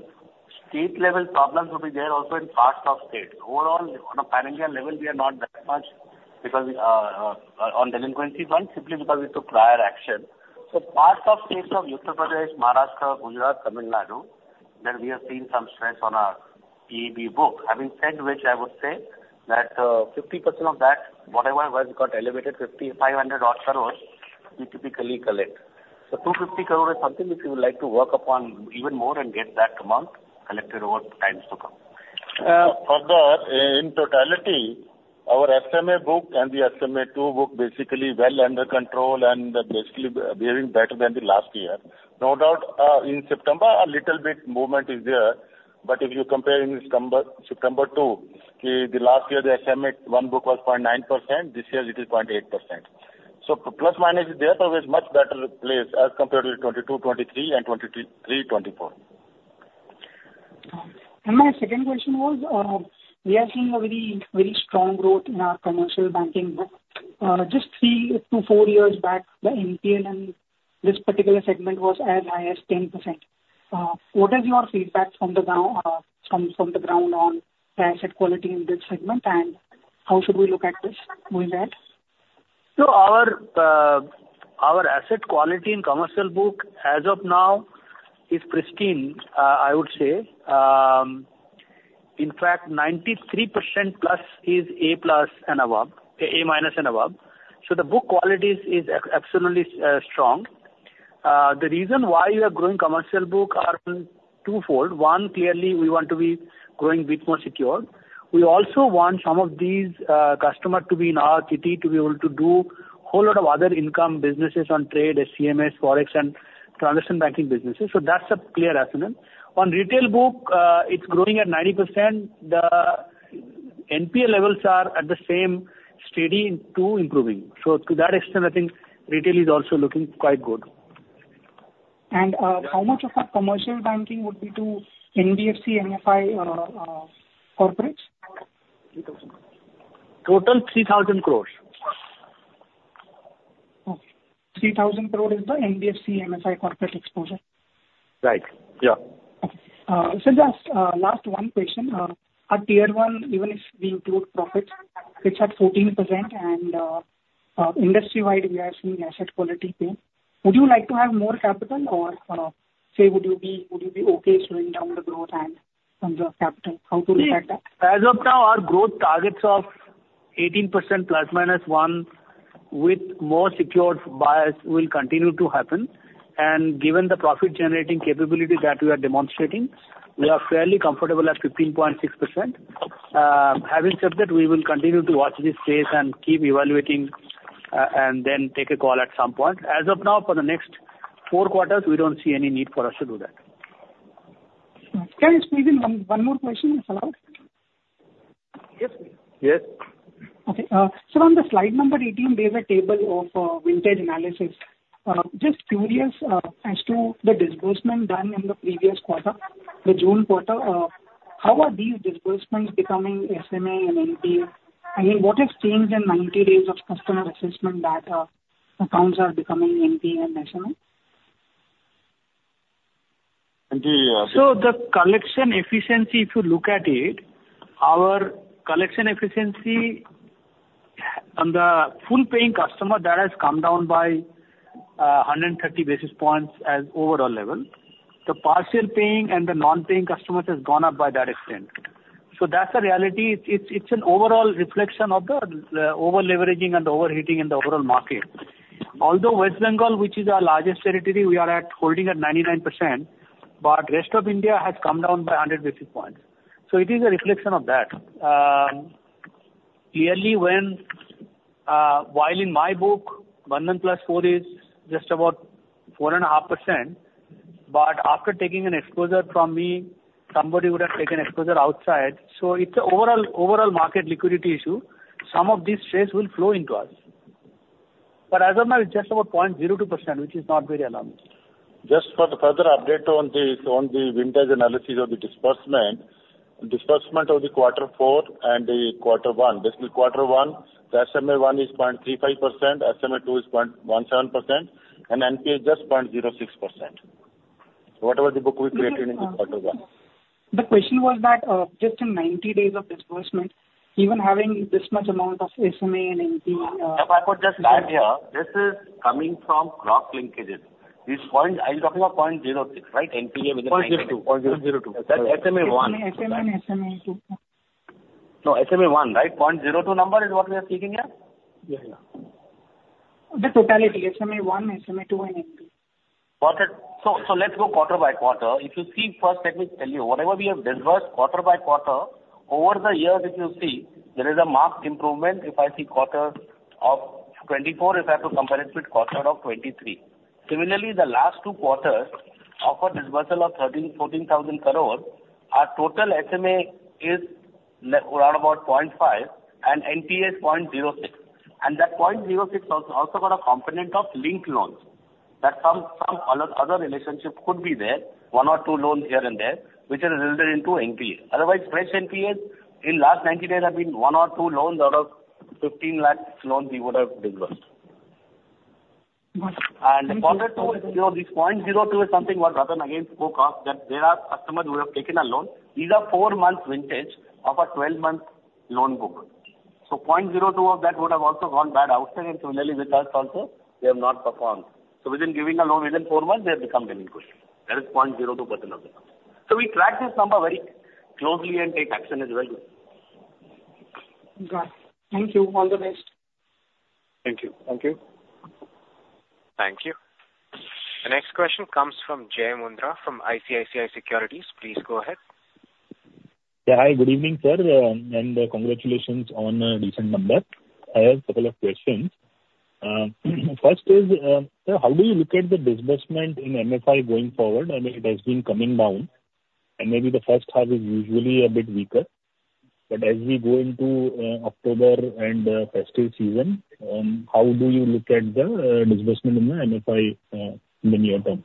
state level problems will be there also in parts of state. Overall, on a portfolio level, we are not that much, because we, on delinquency front, simply because we took prior action. So parts of states of Uttar Pradesh, Maharashtra, Gujarat, Tamil Nadu, that we have seen some stress on our EEB book. Having said which, I would say that, 50% of that, whatever was got elevated, 5,500 crore odd, we typically collect. So 250 crore is something which we would like to work upon even more and get that amount collected over times to come. Further, in totality, our SMA book and the SMA-2 book basically well under control and basically behaving better than the last year. No doubt, in September, a little bit movement is there, but if you compare in September to the last year, the SMA-1 book was 0.9%; this year it is 0.8%. So plus minus is there, so it's much better place as compared to 2022, 2023 and 2023, 2024. My second question was, we are seeing a very, very strong growth in our commercial banking book. Just three to four years back, the NPA in this particular segment was as high as 10%. What is your feedback from the ground on the asset quality in this segment, and how should we look at this going ahead? So our, our asset quality in commercial book, as of now, is pristine, I would say. In fact, 93%+ is A+ and above, A- and above, so the book quality is exceptionally strong. The reason why we are growing commercial book are twofold. One, clearly, we want to be growing bit more secure. We also want some of these, customer to be in our city to be able to do a whole lot of other income businesses on trade, CMS, Forex and transaction banking businesses, so that's a clear rationale. On retail book, it's growing at 90%. The NPA levels are at the same steady to improving. So to that extent, I think retail is also looking quite good. How much of that commercial banking would be to NBFC, MFI, corporates? Total, 3,000 crore. Okay. 3,000 crore is the NBFC, MFI, corporate exposure? Right. Yeah. Okay. So just last one question. Our Tier 1, even if we include profits, it's at 14%, and industry-wide, we are seeing asset quality pain. Would you like to have more capital or say would you be okay slowing down the growth and some of capital? How to look at that? As of now, our growth targets of 18% ± 1, with more secured buyers, will continue to happen, and given the profit-generating capability that we are demonstrating, we are fairly comfortable at 15.6%. Having said that, we will continue to watch this space and keep evaluating, and then take a call at some point. As of now, for the next four quarters, we don't see any need for us to do that. Can I squeeze in one more question, if allowed? Yes, please. Yes. Okay. So on the slide number 18, there's a table of vintage analysis. Just curious, as to the disbursement done in the previous quarter, the June quarter, how are these disbursements becoming SMA and NPA? I mean, what has changed in 90 days of customer assessment that, accounts are becoming NPA and SMA? The, uh- So the collection efficiency, if you look at it, our collection efficiency on the full-paying customer, that has come down by 130 basis points as overall level. The partial paying and the non-paying customers has gone up by that extent. So that's the reality. It's an overall reflection of the over-leveraging and the overheating in the overall market. Although West Bengal, which is our largest territory, we are holding at 99%, but rest of India has come down by 100 basis points. So it is a reflection of that. Clearly, while in my book, Bandhan +4 is just about 4.5%, but after taking an exposure from me, somebody would have taken exposure outside, so it's a overall market liquidity issue. Some of these trades will flow into us. But as of now, it's just about 0.02%, which is not very alarming. Just for the further update on the vintage analysis of the disbursement of the quarter four and the quarter one. Basically, quarter one, the SMA one is 0.35%, SMA two is 0.17%, and NPA is just 0.06%. So whatever the book we created in the quarter one. The question was that, just in ninety days of disbursement, even having this much amount of SMA and NPA. If I could just add here, this is coming from cross linkages. This point, are you talking about point zero six, right? NPA point- 0.02. 0.002. That's SMA-1. SMA and SMA-2. No, SMA-1, right? Point zero two number is what we are speaking here? Yeah, yeah. The totality, SMA-1, SMA-2, and NPA. Got it. So let's go quarter by quarter. If you see, first let me tell you, whatever we have disbursed quarter by quarter, over the years, if you see, there is a marked improvement, if I see quarter of 2024, if I have to compare it with quarter of 2023. Similarly, the last two quarters of a disbursal of 13,000-14,000 crores, our total SMA is nearly around about 0.5 and NPA is 0.06. And that 0.06 also got a component of linked loans that comes from other relationship could be there, one or two loans here and there, which are resulted into NPA. Otherwise, fresh NPAs in last 90 days have been one or two loans out of 15 lakh loans we would have disbursed. Got it. Quarter two, you know, this 0.02 is something what Ratan again spoke of, that there are customers who have taken a loan. These are four months vintage of a 12 month loan book. So 0.02 of that would have also gone bad outside, and similarly with us also, they have not performed. So within giving a loan, within four months, they have become delinquent. That is 0.02% of the loan. So we track this number very closely and take action as well. Got it. Thank you. All the best. Thank you. Thank you. Thank you. The next question comes from Jai Mundhra, from ICICI Securities. Please go ahead. Yeah. Hi, good evening, sir, and congratulations on a decent number. I have several questions. First is, sir, how do you look at the disbursement in MFI going forward? I mean, it has been coming down, and maybe the first half is usually a bit weaker. But as we go into October and festive season, how do you look at the disbursement in the MFI in the near term?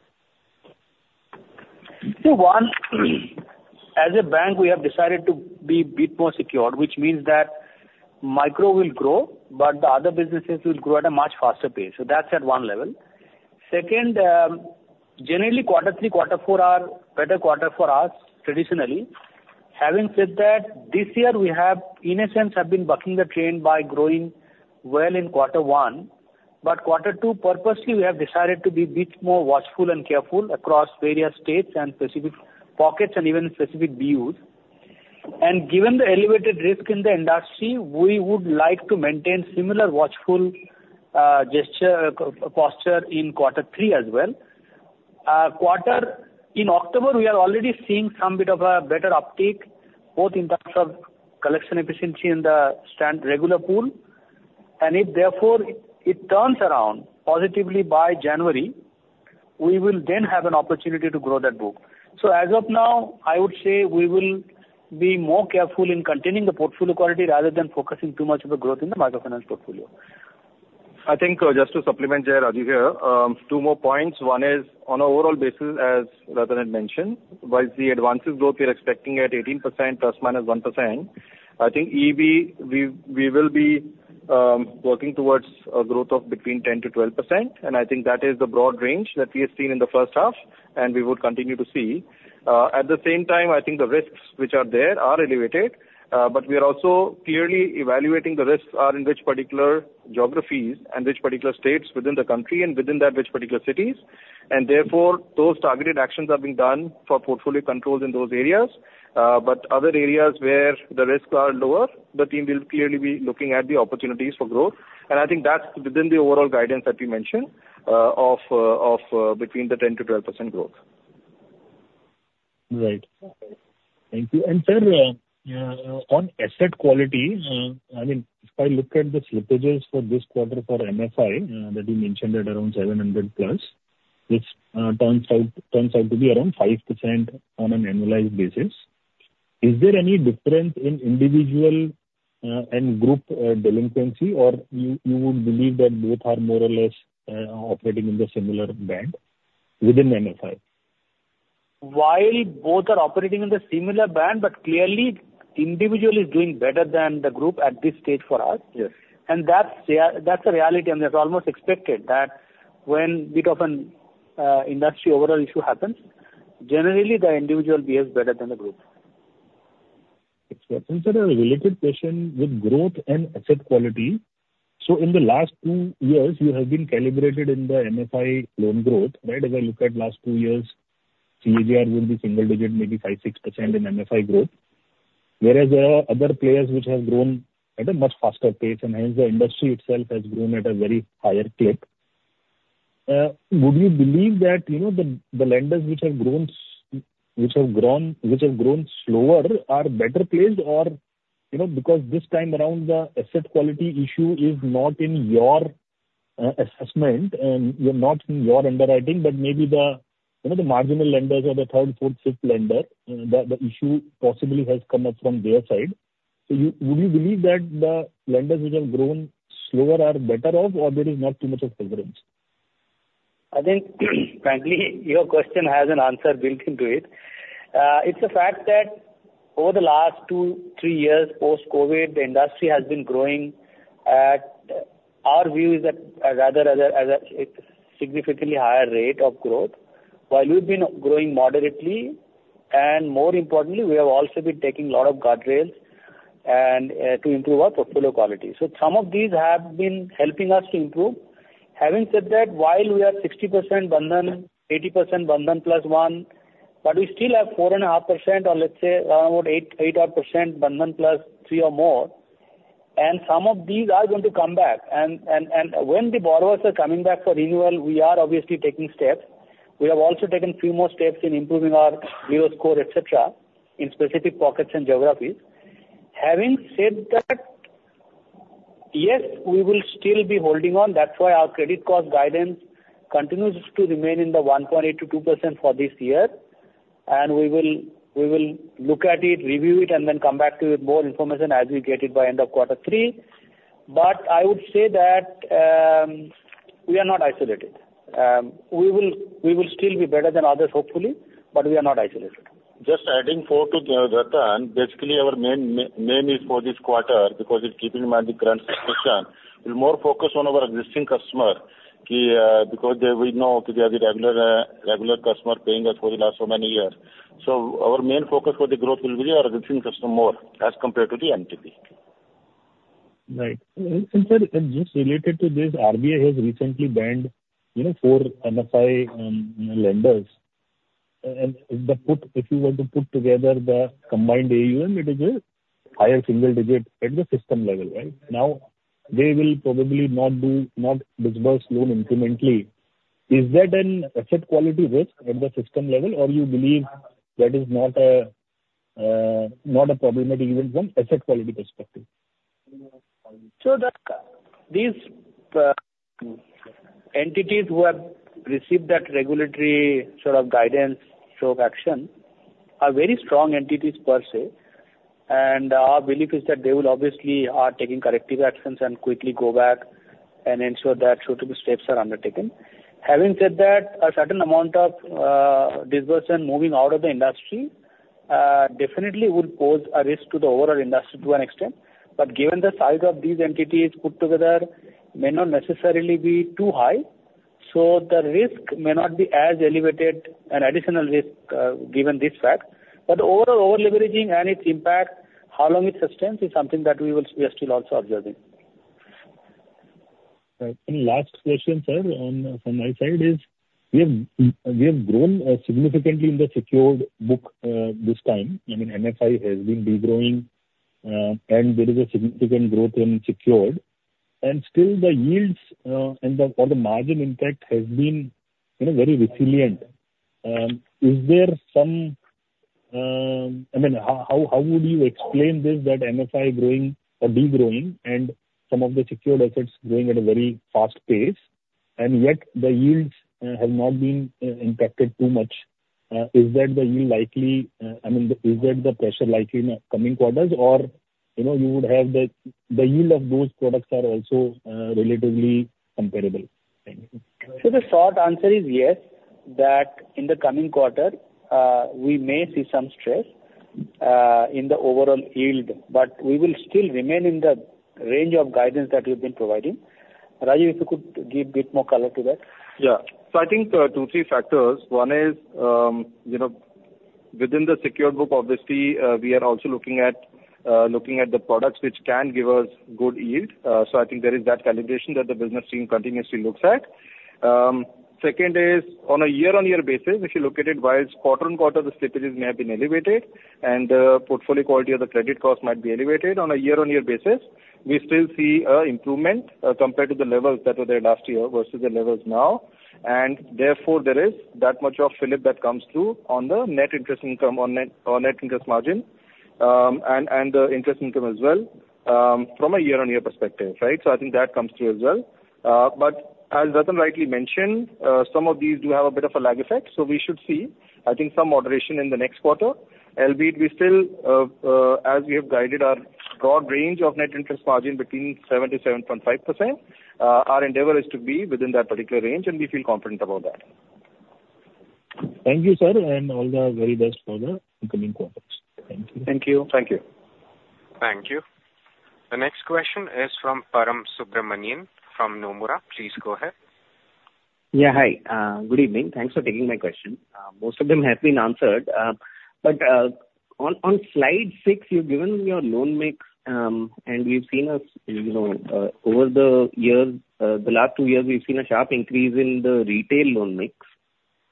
So one, as a bank, we have decided to be a bit more secure, which means that micro will grow, but the other businesses will grow at a much faster pace. So that's at one level. Second, generally, quarter three, quarter four are better quarters for us traditionally. Having said that, this year we have, in a sense, been bucking the trend by growing well in quarter one. But quarter two, purposely, we have decided to be a bit more watchful and careful across various states and specific pockets and even specific BUs. And given the elevated risk in the industry, we would like to maintain similar watchful, cautious posture in quarter three as well. Quarter... In October, we are already seeing some bit of a better uptick, both in terms of collection efficiency in the standard regular pool, and if therefore, it turns around positively by January, we will then have an opportunity to grow that book. So as of now, I would say we will be more careful in containing the portfolio quality rather than focusing too much of the growth in the microfinance portfolio. I think, just to supplement, Jai, Rajeev here. Two more points. One is, on overall basis, as Ratan had mentioned, while the advances growth, we are expecting at 18% ± 1%, I think EB, we, we will be, working towards a growth of between 10% to 12%, and I think that is the broad range that we have seen in the first half, and we would continue to see. At the same time, I think the risks which are there are elevated, but we are also clearly evaluating the risks are in which particular geographies and which particular states within the country, and within that, which particular cities. And therefore, those targeted actions are being done for portfolio controls in those areas. But other areas where the risks are lower, the team will clearly be looking at the opportunities for growth. And I think that's within the overall guidance that we mentioned between 10% to 12% growth. Right. Thank you. And, sir, on asset quality, I mean, if I look at the slippages for this quarter for MFI, that you mentioned at around 700+, which turns out to be around 5% on an annualized basis, is there any difference in individual and group delinquency? Or you would believe that both are more or less operating in the similar band within MFI? While both are operating in the similar band, but clearly, individual is doing better than the group at this stage for us. Yes. That's the reality, and that's almost expected, that when a bit of an industry overall issue happens, generally, the individual behaves better than the group. Excellent. Sir, a related question with growth and asset quality. So in the last two years, you have been calibrated in the MFI loan growth, right? If I look at last two years, CAGR will be single digit, maybe 5%-6% in MFI growth. Whereas there are other players which have grown at a much faster pace, and hence the industry itself has grown at a very higher clip. Would you believe that, you know, the lenders which have grown slower are better placed? Or, you know, because this time around, the asset quality issue is not in your assessment, and you're not in your underwriting, but maybe the marginal lenders or the third, fourth, fifth lender, the issue possibly has come up from their side. So, would you believe that the lenders which have grown slower are better off, or there is not too much of difference? I think, frankly, your question has an answer built into it. It's a fact that over the last two, three years post-COVID, the industry has been growing at, our view is that rather at a significantly higher rate of growth, while we've been growing moderately, and more importantly, we have also been taking a lot of guardrails and to improve our portfolio quality, so some of these have been helping us to improve. Having said that, while we are 60% Bandhan, 80% Bandhan +1, but we still have 4.5%, or let's say, about eight-odd% Bandhan +3 or more, and some of these are going to come back, and when the borrowers are coming back for renewal, we are obviously taking steps. We have also taken few more steps in improving our bureau score, et cetera, in specific pockets and geographies. Having said that, yes, we will still be holding on. That's why our credit cost guidance continues to remain in the 1.8%-2% for this year... and we will look at it, review it, and then come back to you with more information as we get it by end of quarter three. But I would say that, we are not isolated. We will still be better than others, hopefully, but we are not isolated. Just adding to Ratan, basically, our main is for this quarter, because keeping in mind the current situation, we're more focused on our existing customer key, because they, we know that they are the regular regular customer paying us for the last so many years. So our main focus for the growth will be our existing customer more, as compared to the NTB. Right. And sir, just related to this, RBI has recently banned, you know, four MFI lenders. And if you were to put together the combined AUM, it is a higher single digit at the system level, right? Now, they will probably not disburse loan incrementally. Is that an asset quality risk at the system level, or you believe that is not a problematic even from asset quality perspective? So that, these, entities who have received that regulatory sort of guidance, sort of action, are very strong entities per se. And, our belief is that they will obviously are taking corrective actions and quickly go back and ensure that suitable steps are undertaken. Having said that, a certain amount of, disbursement moving out of the industry, definitely would pose a risk to the overall industry to an extent. But given the size of these entities put together may not necessarily be too high, so the risk may not be as elevated an additional risk, given this fact. But overall over-leveraging and its impact, how long it sustains, is something that we are still also observing. And last question, sir, from my side is we have grown significantly in the secured book this time. I mean, MFI has been de-growing, and there is a significant growth in secured. And still the yields and the margin impact has been, you know, very resilient. Is there some... I mean, how would you explain this, that MFI growing or de-growing and some of the secured assets growing at a very fast pace, and yet the yields have not been impacted too much? Is that the yield likely, I mean, is that the pressure likely in the coming quarters? Or, you know, you would have the yield of those products are also relatively comparable? Thank you. So the short answer is yes, that in the coming quarter, we may see some stress in the overall yield, but we will still remain in the range of guidance that we've been providing. Rajeev, if you could give a bit more color to that. Yeah. So I think, two, three factors. One is, you know, within the secured book, obviously, we are also looking at, looking at the products which can give us good yield. So I think there is that calibration that the business team continuously looks at. Second is, on a year-on-year basis, if you look at it, whilst quarter on quarter, the slippages may have been elevated and, portfolio quality of the credit cost might be elevated, on a year-on-year basis, we still see a improvement, compared to the levels that were there last year versus the levels now. And therefore, there is that much of fillip that comes through on the net interest income on net- or net interest margin, and, interest income as well, from a year-on-year perspective, right? So I think that comes through as well. But as Ratan rightly mentioned, some of these do have a bit of a lag effect, so we should see, I think, some moderation in the next quarter, albeit we still, as we have guided our broad range of net interest margin between 7 to 7.5%, our endeavor is to be within that particular range, and we feel confident about that. Thank you, sir, and all the very best for the incoming quarters. Thank you. Thank you. Thank you. Thank you. The next question is from Param Subramanian from Nomura. Please go ahead. Yeah, hi. Good evening. Thanks for taking my question. Most of them have been answered, but on slide 6, you've given your loan mix, and we've seen, you know, over the years, the last two years, we've seen a sharp increase in the retail loan mix.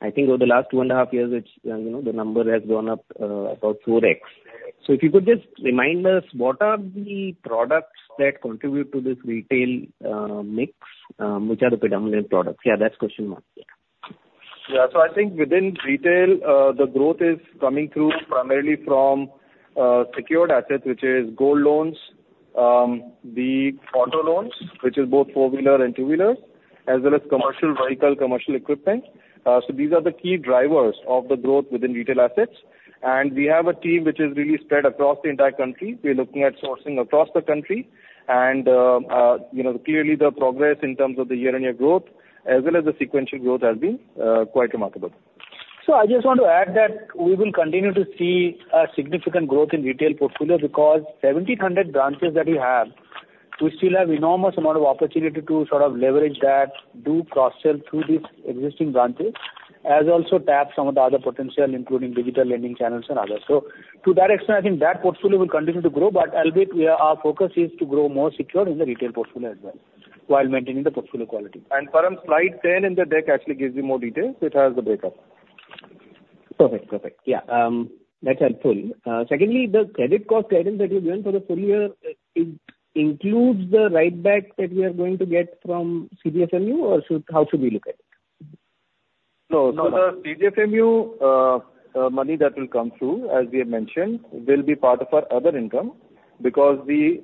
I think over the last two and a half years, it's, you know, the number has gone up about 4X. So if you could just remind us, what are the products that contribute to this retail mix? Which are the predominant products? Yeah, that's question one. Yeah. So I think within retail, the growth is coming through primarily from secured assets, which is gold loans, the auto loans, which is both four-wheeler and two-wheeler, as well as commercial vehicle, commercial equipment. So these are the key drivers of the growth within retail assets. And we have a team which is really spread across the entire country. We're looking at sourcing across the country, and you know, clearly the progress in terms of the year-on-year growth, as well as the sequential growth, has been quite remarkable. So I just want to add that we will continue to see a significant growth in retail portfolio, because 1,700 branches that we have, we still have enormous amount of opportunity to sort of leverage that, do cross-sell through these existing branches, as also tap some of the other potential, including digital lending channels and others. So to that extent, I think that portfolio will continue to grow, but albeit, we are, our focus is to grow more secure in the retail portfolio as well, while maintaining the portfolio quality. And Param, slide 10 in the deck actually gives you more details. It has the breakup. Perfect. Perfect. Yeah, that's helpful. Secondly, the credit cost guidance that you've given for the full year, it includes the write-back that we are going to get from CGFMU or so... How should we look at it? No, no, the CGFMU money that will come through, as we have mentioned, will be part of our other income, because the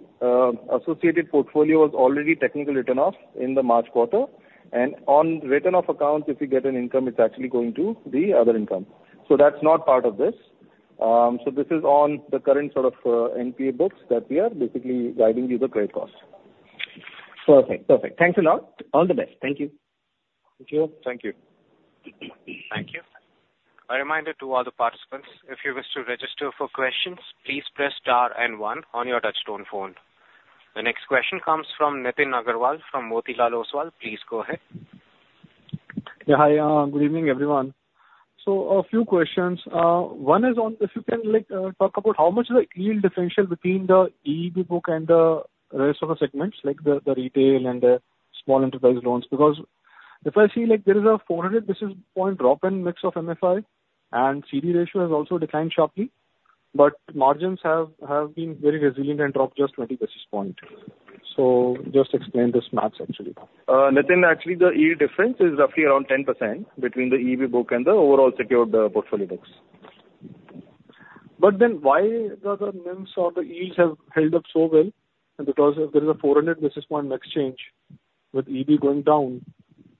associated portfolio was already technically written off in the March quarter, and on written-off accounts, if you get an income, it's actually going to the other income. So that's not part of this. So this is on the current sort of NPA books that we are basically guiding you the credit cost. Perfect. Perfect. Thanks a lot. All the best. Thank you. Thank you. Thank you. Thank you. A reminder to all the participants, if you wish to register for questions, please press star and one on your touchtone phone. The next question comes from Nitin Aggarwal, from Motilal Oswal. Please go ahead. Yeah, hi, good evening, everyone. So a few questions. One is on, if you can, like, talk about how much is the yield differential between the EEB book and the rest of the segments, like the retail and the small enterprise loans? Because if I see, like there is a 400 basis point drop in mix of MFI and CD ratio has also declined sharply, but margins have been very resilient and dropped just 20 basis point. So just explain this math, actually. Nitin, actually, the yield difference is roughly around 10% between the EEB book and the overall secured portfolio books. But then why the NIMs or the yields have held up so well? Because if there is a 400 basis points mix change with EEB going down,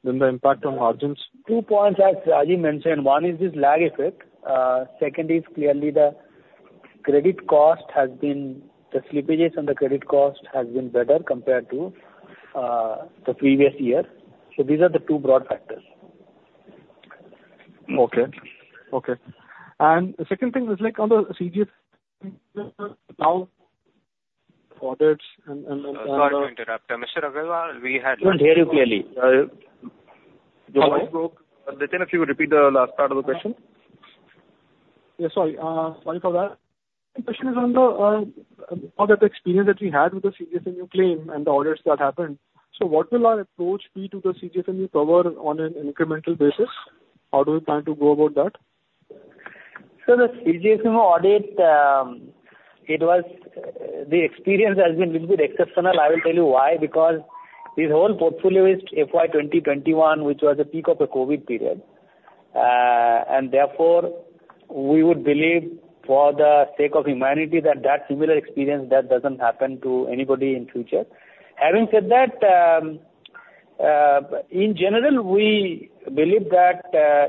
then the impact on margins. Two points, as Rajeev mentioned, one is this lag effect. Second is clearly the credit cost has been... the slippages on the credit cost has been better compared to the previous year. So these are the two broad factors. Okay. Okay. And the second thing is like on the CG- Sorry to interrupt. Mr. Aggarwal, we had- We don't hear you clearly. Nitin, if you could repeat the last part of the question? Yeah, sorry. Sorry for that. The question is on the experience that we had with the CGFMU claim and the audits that happened. So what will our approach be to the CGFMU cover on an incremental basis? How do we plan to go about that? So the CGFMU audit, it was, the experience has been little bit exceptional. I will tell you why: because this whole portfolio is FY 2021, which was a peak of the COVID period. And therefore, we would believe, for the sake of humanity, that that similar experience, that doesn't happen to anybody in future. Having said that, in general, we believe that,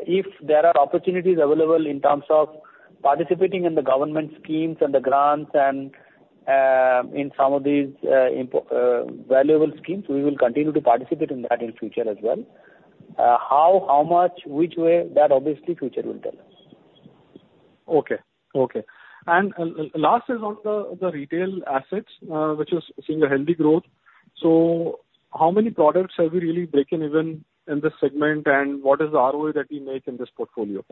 if there are opportunities available in terms of participating in the government schemes and the grants and, in some of these valuable schemes, we will continue to participate in that in future as well. How much, which way, that obviously future will tell us. Last is on the retail assets, which is seeing a healthy growth. So how many products have you really broken even in this segment? What is the ROE that you make in this portfolio?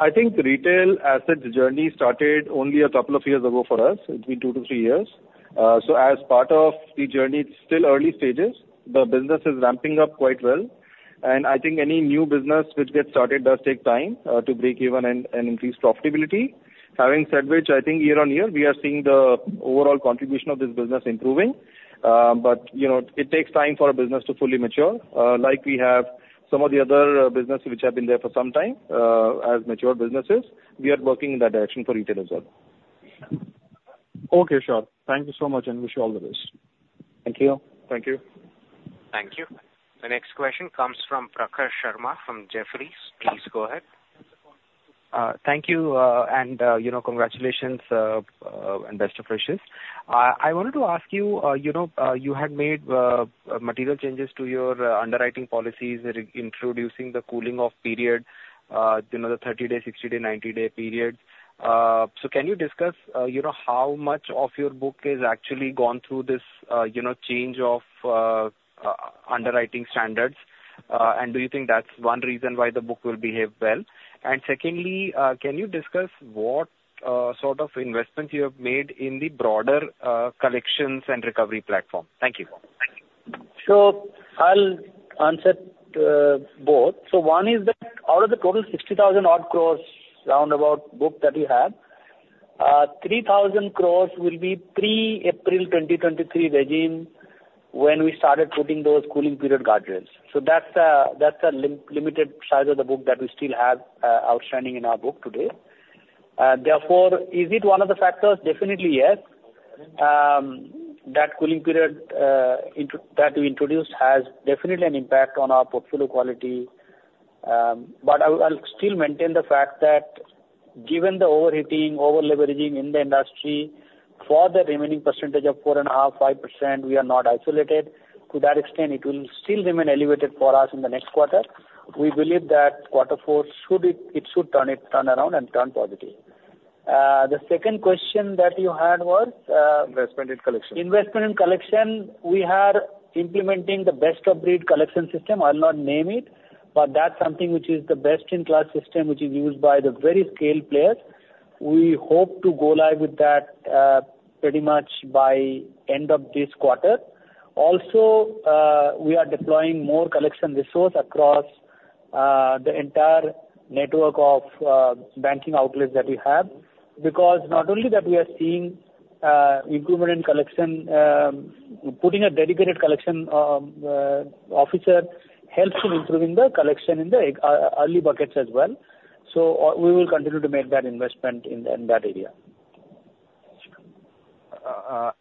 I think retail assets journey started only a couple of years ago for us, between two to three years, so as part of the journey, it's still early stages. The business is ramping up quite well, and I think any new business which gets started does take time to break even and increase profitability. Having said which, I think year on year, we are seeing the overall contribution of this business improving, but you know, it takes time for a business to fully mature, like we have some of the other businesses which have been there for some time, as mature businesses. We are working in that direction for retail as well. Okay, sure. Thank you so much, and wish you all the best. Thank you. Thank you. Thank you. The next question comes from Prakhar Sharma, from Jefferies. Please go ahead. Thank you, and, you know, congratulations, and best of wishes. I wanted to ask you, you know, you had made material changes to your underwriting policies, re-introducing the cooling-off period, you know, the 30 day, 60 day, 90 day period. So can you discuss, you know, how much of your book is actually gone through this, you know, change of underwriting standards? And do you think that's one reason why the book will behave well? And secondly, can you discuss what sort of investments you have made in the broader collections and recovery platform? Thank you. So I'll answer both. One is that out of the total 60,000-odd crores, round about, book that we have, 3,000 crores will be pre-April 2023 regime, when we started putting those cooling period guardrails. That's a limited size of the book that we still have outstanding in our book today. Therefore, is it one of the factors? Definitely, yes. That cooling period introduction that we introduced has definitely an impact on our portfolio quality. But I'll still maintain the fact that given the overheating, over-leveraging in the industry, for the remaining percentage of 4.5%-5%, we are not isolated. To that extent, it will still remain elevated for us in the next quarter. We believe that quarter four should be. It should turn it around and turn positive. The second question that you had was, Investment and collection. Investment and collection, we are implementing the best-of-breed collection system. I'll not name it, but that's something which is the best-in-class system, which is used by the very scaled players. We hope to go live with that, pretty much by end of this quarter. Also, we are deploying more collection resource across the entire network of banking outlets that we have. Because not only that, we are seeing improvement in collection. Putting a dedicated collection officer helps in improving the collection in the early buckets as well. So, we will continue to make that investment in that area.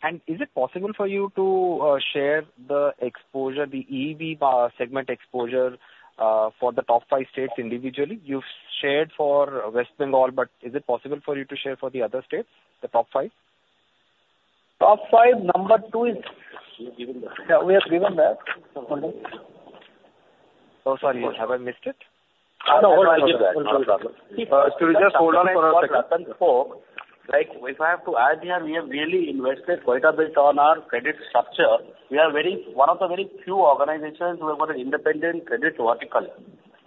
And is it possible for you to share the exposure, the EEB segment exposure, for the top five states individually? You've shared for West Bengal, but is it possible for you to share for the other states, the top five? Top five, number two is- We've given that. Yeah, we have given that. Oh, sorry, have I missed it? No, no, Could you just hold on for one second? Like, if I have to add here, we have really invested quite a bit on our credit structure. We are one of the very few organizations who have an independent credit vertical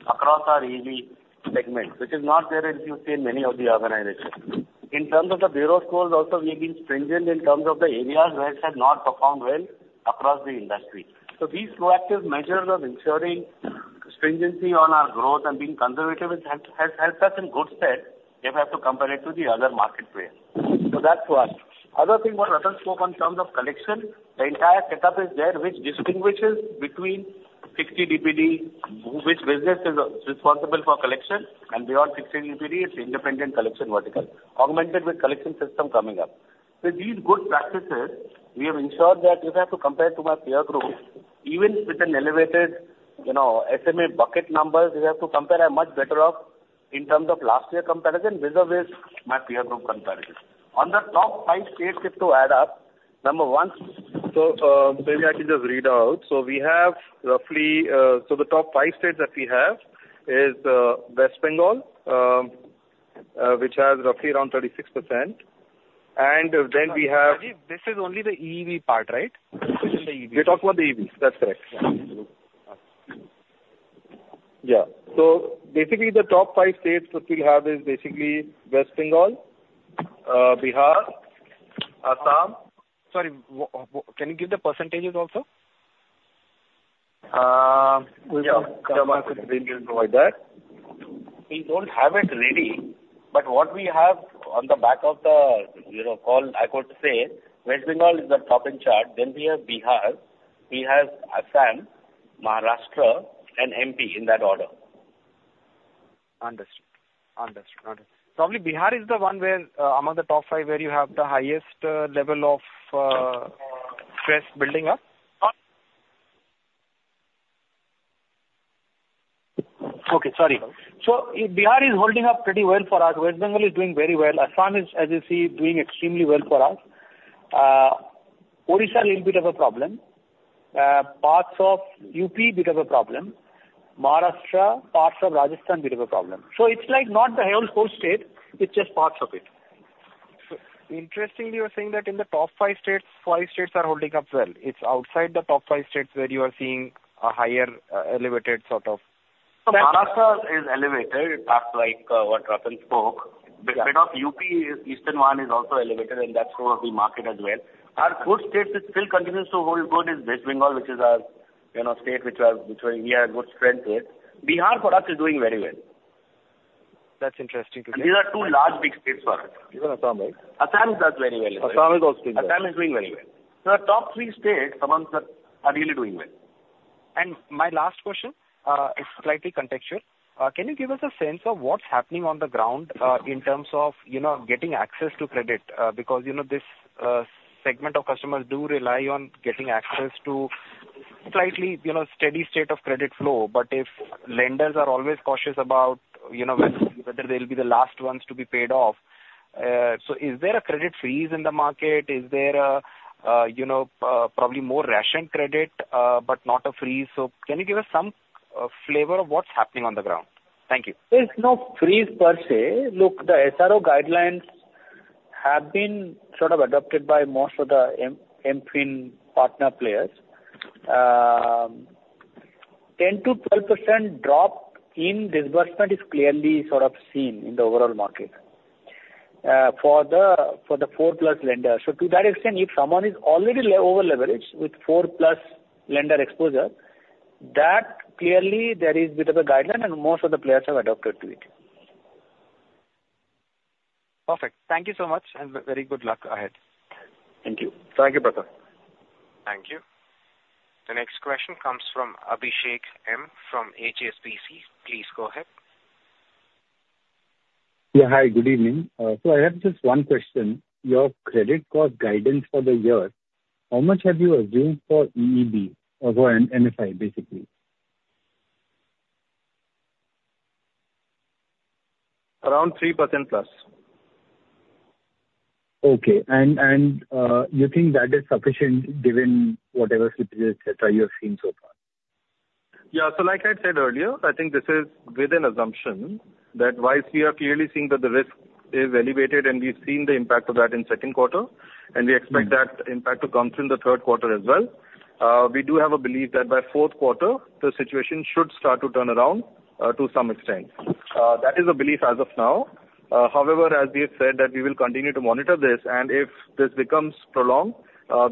across our EEB segment, which is not there, if you see, in many of the organizations. In terms of the bureau scores also, we've been stringent in terms of the areas where it has not performed well across the industry. So these proactive measures of ensuring stringency on our growth and being conservative has helped us in good stead, if I have to compare it to the other market players. So that's one. Other thing what Ratan spoke on terms of collection, the entire setup is there, which distinguishes between 60 DPD, which business is, is responsible for collection, and beyond 60 DPD, it's independent collection vertical, augmented with collection system coming up. So these good practices, we have ensured that if I have to compare to my peer group, even with an elevated, you know, SMA bucket numbers, we have to compare a much better off in terms of last year comparison versus my peer group comparison. On the top five states, if to add up, number one, so, maybe I can just read out. So we have roughly. So the top five states that we have is, West Bengal, which has roughly around 36%. And then we have- This is only the EEB part, right? This is the EEB. We're talking about the EEBs. That's correct. Yeah. So basically, the top five states which we have is basically West Bengal, Bihar, Assam. Sorry, what? Can you give the percentages also? Yeah. Provide that. We don't have it ready, but what we have on the back of the, you know, call. I could say West Bengal is the top in chart, then we have Bihar, we have Assam, Maharashtra, and MP in that order. Probably, Bihar is the one where, among the top five, where you have the highest level of stress building up? Okay, sorry. So Bihar is holding up pretty well for us. West Bengal is doing very well. Assam is, as you see, doing extremely well for us. Odisha, little bit of a problem. Parts of UP, bit of a problem. Maharashtra, parts of Rajasthan, bit of a problem. So it's like not the whole state, it's just parts of it. Interestingly, you are saying that in the top five states, five states are holding up well. It's outside the top five states where you are seeing a higher, elevated sort of- Maharashtra is elevated, parts like what Ratan spoke. Yeah. Bit of UP, eastern one is also elevated, and that's sort of the market as well. Our good states, it still continues to hold good is West Bengal, which is our, you know, state which has, which we have a good strength to it. Bihar, for us, is doing very well. That's interesting to hear. These are two large, big states for us. Even Assam, right? Assam does very well. Assam is also doing well. Assam is doing very well. So our top three states, Assam, are really doing well. My last question is slightly contextual. Can you give us a sense of what's happening on the ground in terms of, you know, getting access to credit? Because, you know, this segment of customers do rely on getting access to slightly, you know, steady state of credit flow. But if lenders are always cautious about, you know, whether they'll be the last ones to be paid off. So is there a credit freeze in the market? Is there a, you know, probably more rationed credit, but not a freeze? So can you give us some flavor of what's happening on the ground? Thank you. There's no freeze per se. Look, the SRO guidelines have been sort of adopted by most of the MFIN partner players. 10%-12% drop in disbursement is clearly sort of seen in the overall market, for the four-plus lenders. So to that extent, if someone is already over-leveraged with four-plus lender exposure, that clearly there is a bit of a guideline, and most of the players have adopted to it. Perfect. Thank you so much, and very good luck ahead. Thank you. Thank you, Partha. Thank you. The next question comes from Abhishek M., from HSBC. Please go ahead. Yeah. Hi, good evening. So I have just one question. Your credit cost guidance for the year, how much have you assumed for EEB or MFI, basically? Around 3%+. Okay, and you think that is sufficient given whatever situation, et cetera, you have seen so far? Yeah, so like I said earlier, I think this is with an assumption that while we are clearly seeing that the risk is elevated, and we've seen the impact of that in second quarter, and we expect that impact to come through in the third quarter as well. We do have a belief that by fourth quarter, the situation should start to turn around, to some extent. That is a belief as of now. However, as we have said, that we will continue to monitor this, and if this becomes prolonged,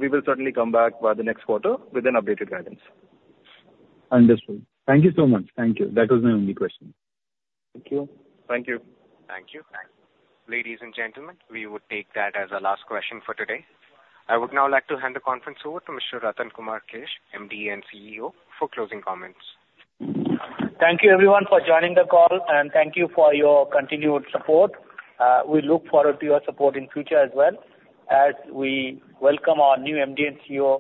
we will certainly come back by the next quarter with an updated guidance. Understood. Thank you so much. Thank you. That was my only question. Thank you. Thank you. Thank you. Ladies and gentlemen, we would take that as our last question for today. I would now like to hand the conference over to Mr. Ratan Kumar Kesh, MD and CEO, for closing comments. Thank you everyone for joining the call, and thank you for your continued support. We look forward to your support in future as well, as we welcome our new MD and CEO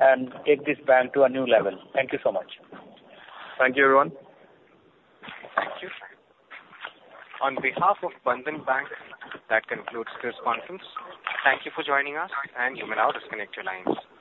and take this bank to a new level. Thank you so much. Thank you, everyone. Thank you. On behalf of Bandhan Bank, that concludes this conference. Thank you for joining us, and you may now disconnect your lines.